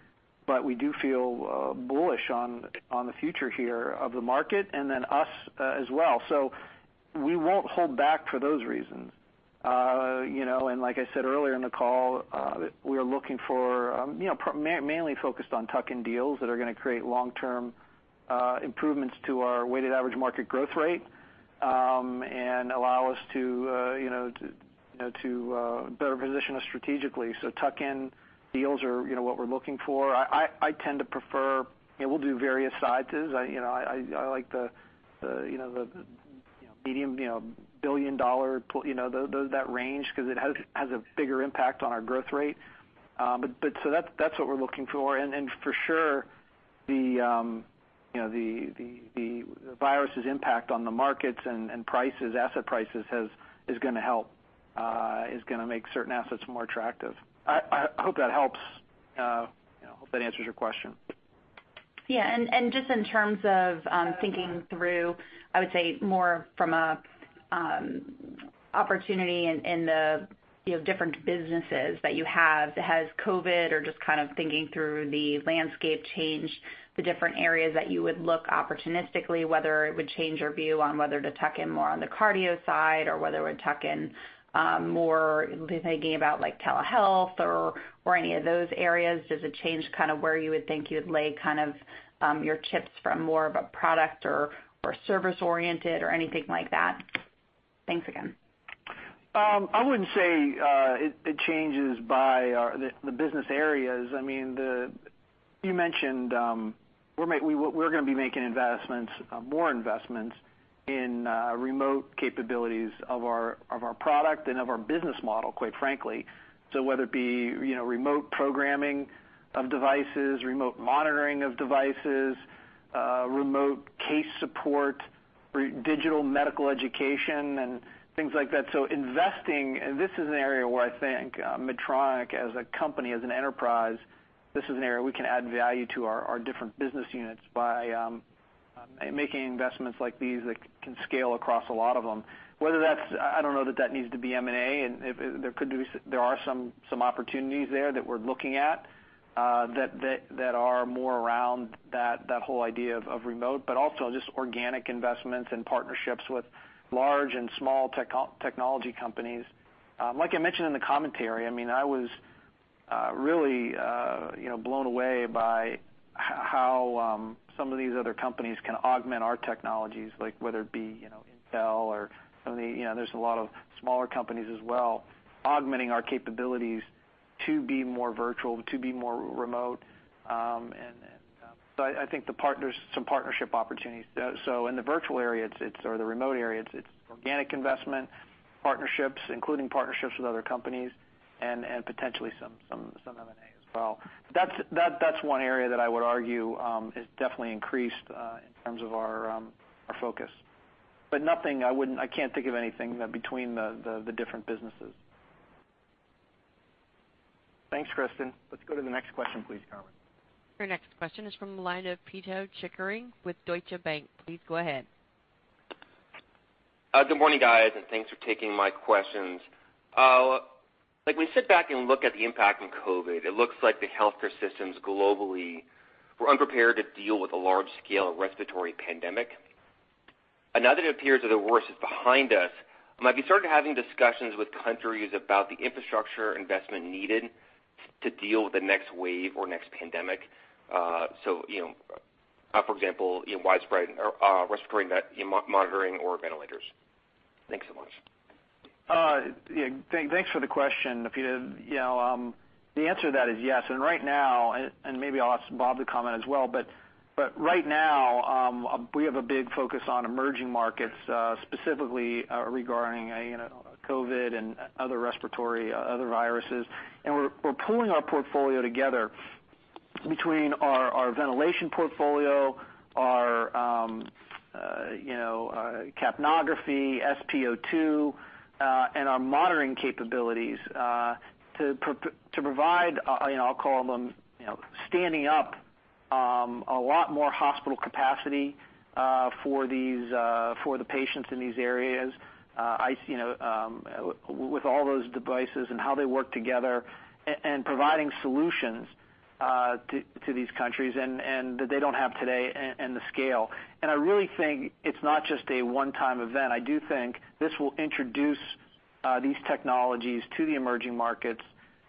but we do feel bullish on the future here of the market, and then us as well. We won't hold back for those reasons. Like I said earlier in the call, we are mainly focused on tuck-in deals that are going to create long-term improvements to our weighted average market growth rate, and better position us strategically. Tuck-in deals are what we're looking for. We'll do various sizes. I like the medium billion dollar, that range, because it has a bigger impact on our growth rate. That's what we're looking for. For sure, the virus' impact on the markets and asset prices is going to make certain assets more attractive. I hope that helps. I hope that answers your question. Yeah. Just in terms of thinking through, I would say more from an opportunity in the different businesses that you have. Has COVID or just kind of thinking through the landscape changed the different areas that you would look opportunistically, whether it would change your view on whether to tuck in more on the cardio side or whether it would tuck in more, thinking about like telehealth or any of those areas? Does it change kind of where you would think you would lay kind of your chips from more of a product or service oriented or anything like that? Thanks again. I wouldn't say it changes by the business areas. You mentioned we're going to be making more investments in remote capabilities of our product and of our business model, quite frankly. Whether it be remote programming of devices, remote monitoring of devices, remote case support, digital medical education and things like that. Investing. This is an area where I think Medtronic as a company, as an enterprise, this is an area we can add value to our different business units by making investments like these that can scale across a lot of them. I don't know that that needs to be M&A, and there are some opportunities there that we're looking at that are more around that whole idea of remote, but also just organic investments and partnerships with large and small technology companies. Like I mentioned in the commentary, I was really blown away by how some of these other companies can augment our technologies, like whether it be Intel or a lot of smaller companies as well, augmenting our capabilities to be more virtual, to be more remote. I think some partnership opportunities. In the virtual area or the remote area, it's organic investment, partnerships, including partnerships with other companies, and potentially some M&A as well. That's one area that I would argue has definitely increased in terms of our focus. I can't think of anything between the different businesses. Thanks, Kristen. Let's go to the next question please, Carmen. Your next question is from the line of Pito Chickering with Deutsche Bank. Please go ahead. Good morning, guys, and thanks for taking my questions. Like, we sit back and look at the impact in COVID-19. It looks like the healthcare systems globally were unprepared to deal with a large-scale respiratory pandemic. Now that it appears that the worst is behind us, have you started having discussions with countries about the infrastructure investment needed to deal with the next wave or next pandemic? For example, widespread respiratory monitoring or ventilators. Thanks so much. Yeah, thanks for the question, Pito. The answer to that is yes. Right now, and maybe I'll ask Bob to comment as well, but right now, we have a big focus on emerging markets, specifically regarding COVID and other respiratory viruses. We're pulling our portfolio together between our ventilation portfolio, our capnography, SpO2, and our monitoring capabilities to provide, I'll call them, standing up a lot more hospital capacity for the patients in these areas with all those devices and how they work together and providing solutions to these countries that they don't have today and the scale. I really think it's not just a one-time event. I do think this will introduce these technologies to the emerging markets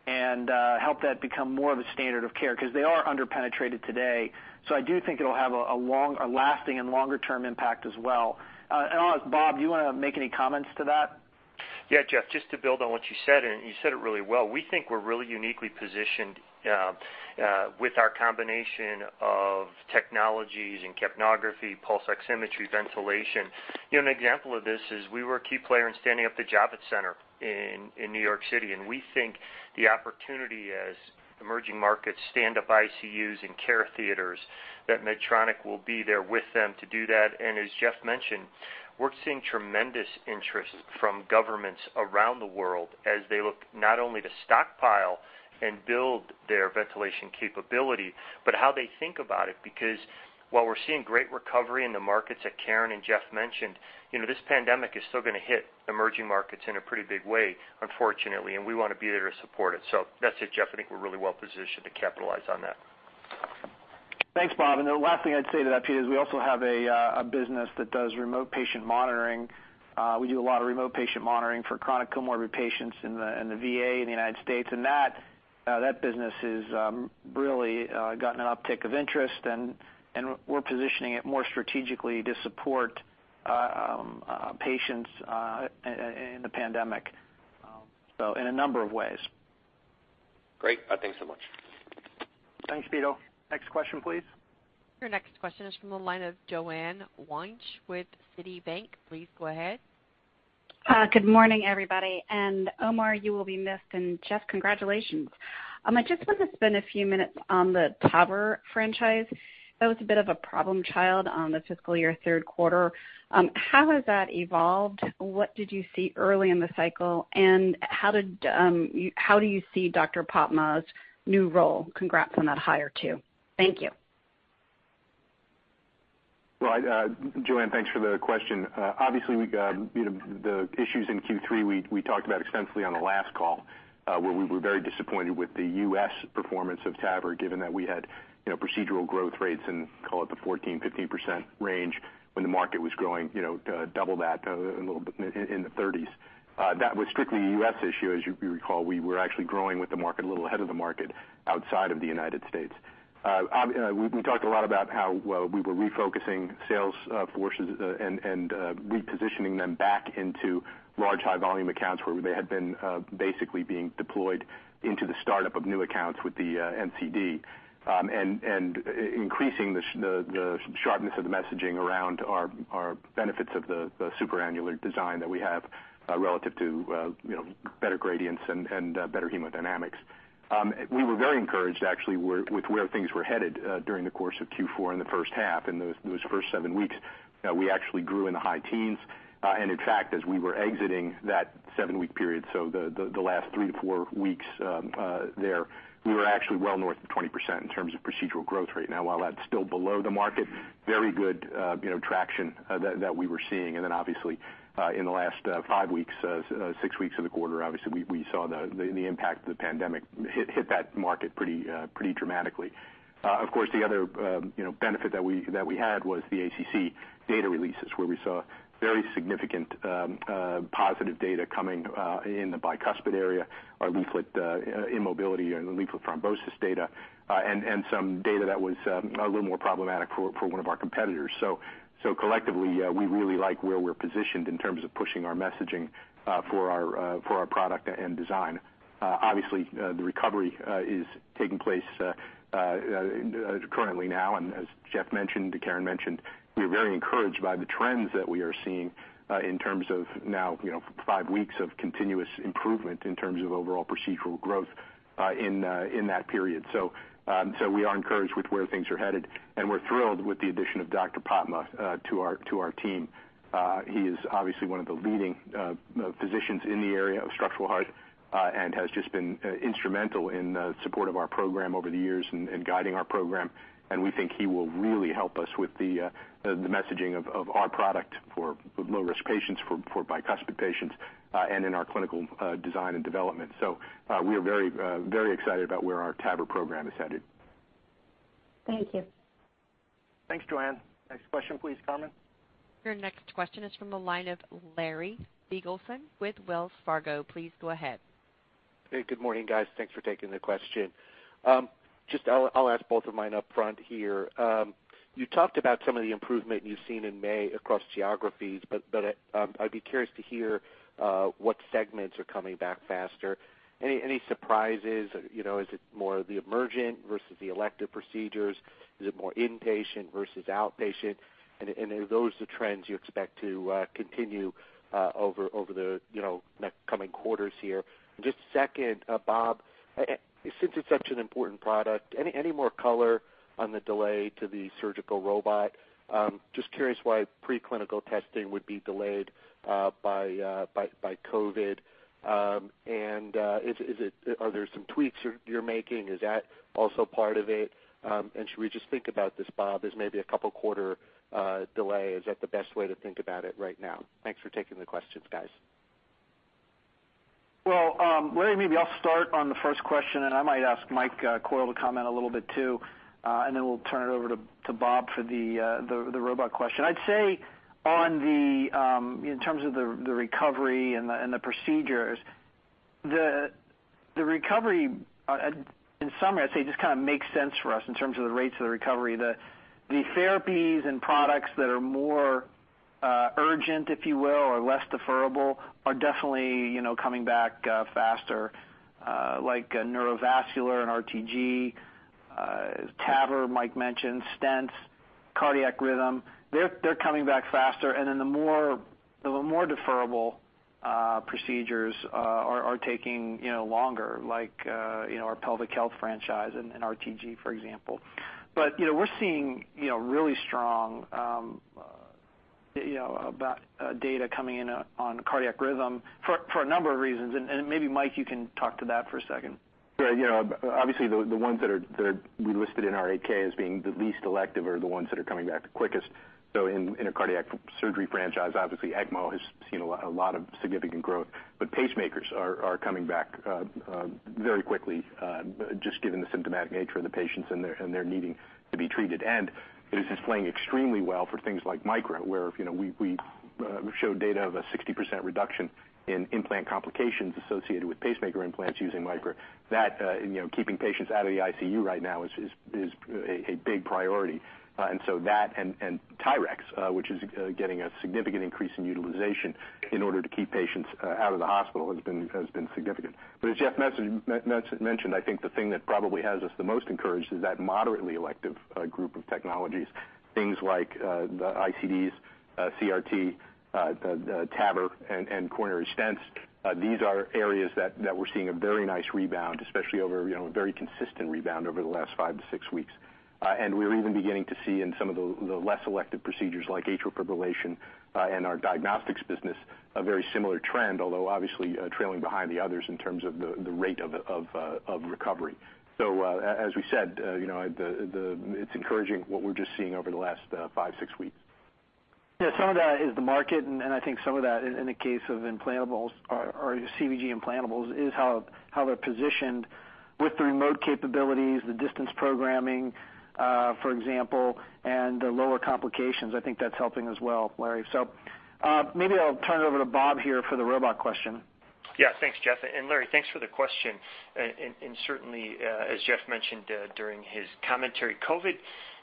and help that become more of a standard of care because they are under-penetrated today. I do think it'll have a lasting and longer-term impact as well. I'll ask Bob, do you want to make any comments to that? Yeah, Geoff, just to build on what you said, and you said it really well. We think we're really uniquely positioned with our combination of technologies in capnography, pulse oximetry, ventilation. An example of this is we were a key player in standing up the Javits Center in New York City, and we think the opportunity as emerging markets stand up ICUs and care theaters, that Medtronic will be there with them to do that. As Geoff mentioned, we're seeing tremendous interest from governments around the world as they look not only to stockpile and build their ventilation capability, but how they think about it, because while we're seeing great recovery in the markets that Karen and Geoff mentioned, this pandemic is still going to hit emerging markets in a pretty big way, unfortunately, and we want to be there to support it. That's it, Geoff. I think we're really well positioned to capitalize on that. The last thing I'd say to that, Pito, is we also have a business that does remote patient monitoring. We do a lot of remote patient monitoring for chronic comorbid patients in the VA in the United States, and that business has really gotten an uptick of interest, and we're positioning it more strategically to support patients in the pandemic in a number of ways. Great. Thanks so much. Thanks, Pito. Next question, please. Your next question is from the line of Joanne Wuensch with Citi. Please go ahead. Good morning, everybody. Omar, you will be missed, and Geoff, congratulations. I just want to spend a few minutes on the TAVR franchise. That was a bit of a problem child on the fiscal year third quarter. How has that evolved? What did you see early in the cycle, and how do you see Dr. Popma's new role? Congrats on that hire, too. Thank you. Joanne, thanks for the question. Obviously, the issues in Q3 we talked about extensively on the last call, where we were very disappointed with the U.S. performance of TAVR, given that we had procedural growth rates in, call it, the 14%-15% range when the market was growing double that, a little bit in the 30s. That was strictly a U.S. issue. As you recall, we were actually growing with the market, a little ahead of the market outside of the United States. We talked a lot about how we were refocusing sales forces and repositioning them back into large, high-volume accounts where they had been basically being deployed into the startup of new accounts with the NCD. Increasing the sharpness of the messaging around our benefits of the supra-annular design that we have relative to better gradients and better hemodynamics. We were very encouraged, actually, with where things were headed during the course of Q4 in the first half. In those first seven weeks, we actually grew in the high teens. In fact, as we were exiting that seven-week period, so the last three to four weeks there, we were actually well north of 20% in terms of procedural growth rate. While that's still below the market, very good traction that we were seeing. Obviously, in the last five weeks, six weeks of the quarter, obviously we saw the impact of the pandemic hit that market pretty dramatically. Of course, the other benefit that we had was the ACC data releases, where we saw very significant positive data coming in the bicuspid area, our leaflet immobility and leaflet thrombosis data, and some data that was a little more problematic for one of our competitors. Collectively, we really like where we're positioned in terms of pushing our messaging for our product and design. Obviously, the recovery is taking place currently now, and as Geoff mentioned, Karen mentioned, we are very encouraged by the trends that we are seeing in terms of now five weeks of continuous improvement in terms of overall procedural growth in that period. We are encouraged with where things are headed, and we're thrilled with the addition of Dr. Popma to our team. He is obviously one of the leading physicians in the area of Structural Heart and has just been instrumental in support of our program over the years and guiding our program. We think he will really help us with the messaging of our product for low-risk patients, for bicuspid patients, and in our clinical design and development. We are very excited about where our TAVR program is headed. Thank you. Thanks, Joanne. Next question, please, Carmen. Your next question is from the line of Larry Biegelsen with Wells Fargo. Please go ahead. Hey, good morning, guys. Thanks for taking the question. I'll ask both of mine upfront here. You talked about some of the improvement you've seen in May across geographies. I'd be curious to hear what segments are coming back faster. Any surprises? Is it more the emergent versus the elective procedures? Is it more inpatient versus outpatient? Are those the trends you expect to continue over the next coming quarters here? Just second, Bob, since it's such an important product, any more color on the delay to the surgical robot? Just curious why preclinical testing would be delayed by COVID. Are there some tweaks you're making? Is that also part of it? Should we just think about this, Bob, as maybe a couple quarter delay? Is that the best way to think about it right now? Thanks for taking the questions, guys. Well, Larry, maybe I'll start on the first question, and I might ask Mike Coyle to comment a little bit, too, and then we'll turn it over to Bob for the robot question. I'd say in terms of the recovery and the procedures, the recovery, in summary, I'd say just kind of makes sense for us in terms of the rates of the recovery. The therapies and products that are more urgent, if you will, or less deferrable are definitely coming back faster like neurovascular and RTG, TAVR, Mike mentioned stents, cardiac rhythm. They're coming back faster. The more deferrable procedures are taking longer like our pelvic health franchise and RTG, for example. We're seeing really strong data coming in on cardiac rhythm for a number of reasons. Maybe, Mike, you can talk to that for a second. Yeah. Obviously, the ones that we listed in our 8K as being the least elective are the ones that are coming back the quickest. In a cardiac surgery franchise, obviously ECMO has seen a lot of significant growth. Pacemakers are coming back very quickly, just given the symptomatic nature of the patients and their needing to be treated. This is playing extremely well for things like Micra, where we showed data of a 60% reduction in implant complications associated with pacemaker implants using Micra. That and keeping patients out of the ICU right now is a big priority. That and TYRX which is getting a significant increase in utilization in order to keep patients out of the hospital has been significant. As Geoff mentioned, I think the thing that probably has us the most encouraged is that moderately elective group of technologies, things like the ICDs, CRT, TAVR, and coronary stents. These are areas that we're seeing a very nice rebound, especially over a very consistent rebound over the last five to six weeks. We're even beginning to see in some of the less elective procedures like atrial fibrillation and our diagnostics business a very similar trend, although obviously trailing behind the others in terms of the rate of recovery. As we said, it's encouraging what we're just seeing over the last five, six weeks. Some of that is the market. I think some of that in the case of implantables or CVG implantables is how they're positioned with the remote capabilities, the distance programming, for example, and the lower complications. I think that's helping as well, Larry. Maybe I'll turn it over to Bob here for the robot question. Thanks, Geoff. Larry, thanks for the question. Certainly, as Geoff mentioned during his commentary, COVID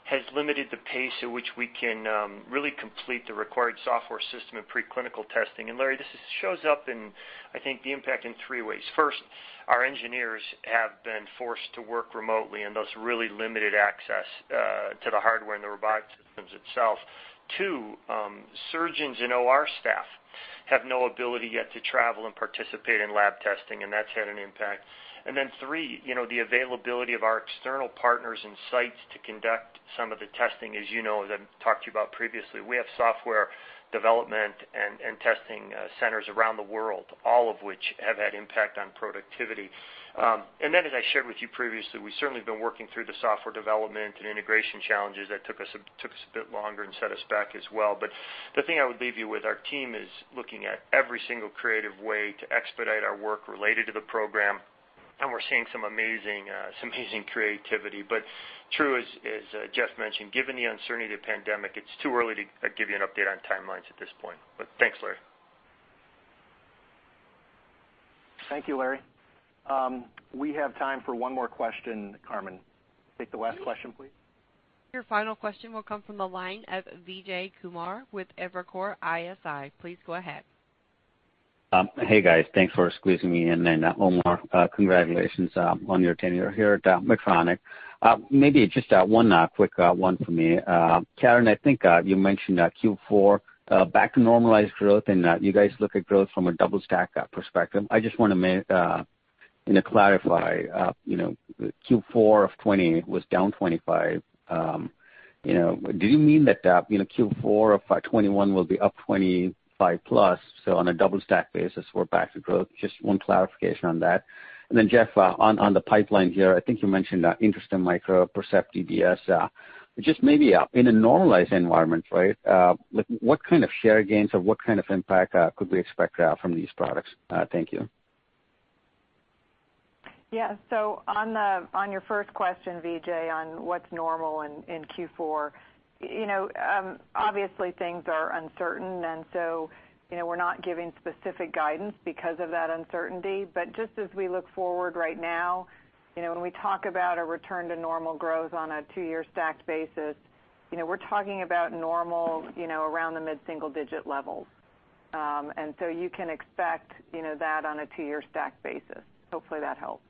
has limited the pace at which we can really complete the required software system and pre-clinical testing. Larry, this shows up in, I think, the impact in three ways. First, our engineers have been forced to work remotely, and thus really limited access to the hardware and the robotic systems itself. Two, surgeons and OR staff have no ability yet to travel and participate in lab testing, and that's had an impact. Three, the availability of our external partners and sites to conduct some of the testing, as you know, that I've talked to you about previously. We have software development and testing centers around the world, all of which have had impact on productivity. As I shared with you previously, we've certainly been working through the software development and integration challenges that took us a bit longer and set us back as well. The thing I would leave you with, our team is looking at every single creative way to expedite our work related to the program, and we're seeing some amazing creativity. True, as Geoff mentioned, given the uncertainty of the pandemic, it's too early to give you an update on timelines at this point. Thanks, Larry. Thank you, Larry. We have time for one more question, Carmen. Take the last question, please. Your final question will come from the line of Vijay Kumar with Evercore ISI. Please go ahead. Hey, guys. Thanks for squeezing me in. Omar, congratulations on your tenure here at Medtronic. Maybe just one quick one for me. Karen, I think you mentioned Q4 back to normalized growth and that you guys look at growth from a double-stack perspective. I just want to clarify. Q4 of 2020 was down 25%. Do you mean that Q4 of 2021 will be up 25%+, on a double-stack basis, we're back to growth? Just one clarification on that. Geoff, on the pipeline here, I think you mentioned InterStim Micro, Percept DBS. Just maybe in a normalized environment, what kind of share gains or what kind of impact could we expect from these products? Thank you. Yeah. On your first question, Vijay, on what's normal in Q4. Obviously things are uncertain, and so we're not giving specific guidance because of that uncertainty. Just as we look forward right now, when we talk about a return to normal growth on a two-year stacked basis, we're talking about normal around the mid-single-digit levels. You can expect that on a two-year stacked basis. Hopefully that helps.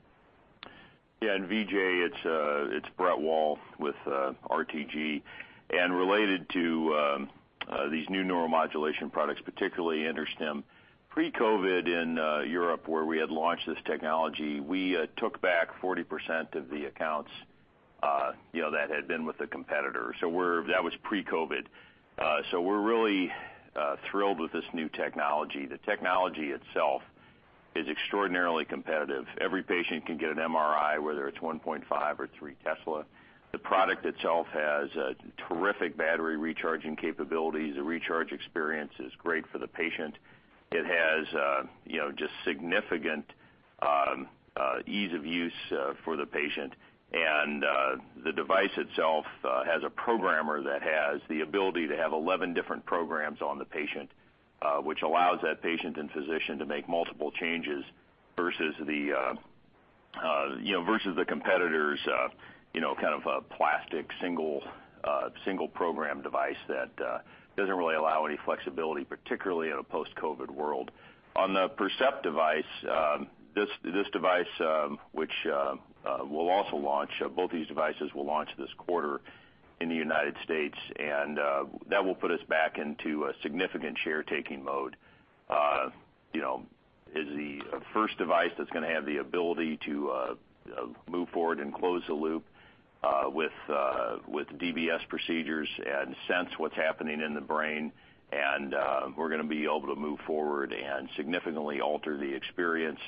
Vijay, it's Brett Wall with RTG. Related to these new neuromodulation products, particularly InterStim. Pre-COVID in Europe where we had launched this technology, we took back 40% of the accounts that had been with the competitor. That was pre-COVID. We're really thrilled with this new technology. The technology itself is extraordinarily competitive. Every patient can get an MRI, whether it's 1.5 or 3 tesla. The product itself has terrific battery recharging capabilities. The recharge experience is great for the patient. It has just significant ease of use for the patient. The device itself has a programmer that has the ability to have 11 different programs on the patient, which allows that patient and physician to make multiple changes versus the competitor's kind of a plastic single program device that doesn't really allow any flexibility, particularly in a post-COVID world. On the Percept device, this device which we'll also launch, both these devices will launch this quarter in the U.S., and that will put us back into a significant share-taking mode. Is the first device that's going to have the ability to move forward and close the loop with DBS procedures and sense what's happening in the brain. We're going to be able to move forward and significantly alter the experience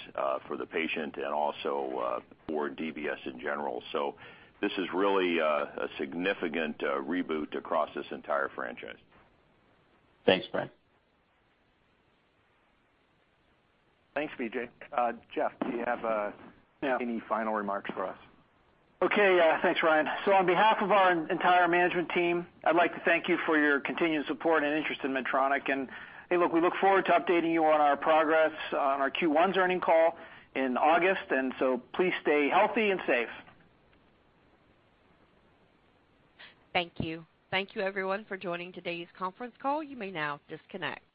for the patient and also for DBS in general. This is really a significant reboot across this entire franchise. Thanks, Brett. Thanks, Vijay. Geoff, do you have- Yeah. Any final remarks for us? Okay. Yeah. Thanks, Ryan. On behalf of our entire management team, I'd like to thank you for your continued support and interest in Medtronic. Hey, look, we look forward to updating you on our progress on our Q1's earning call in August. Please stay healthy and safe. Thank you. Thank you everyone for joining today's conference call. You may now disconnect.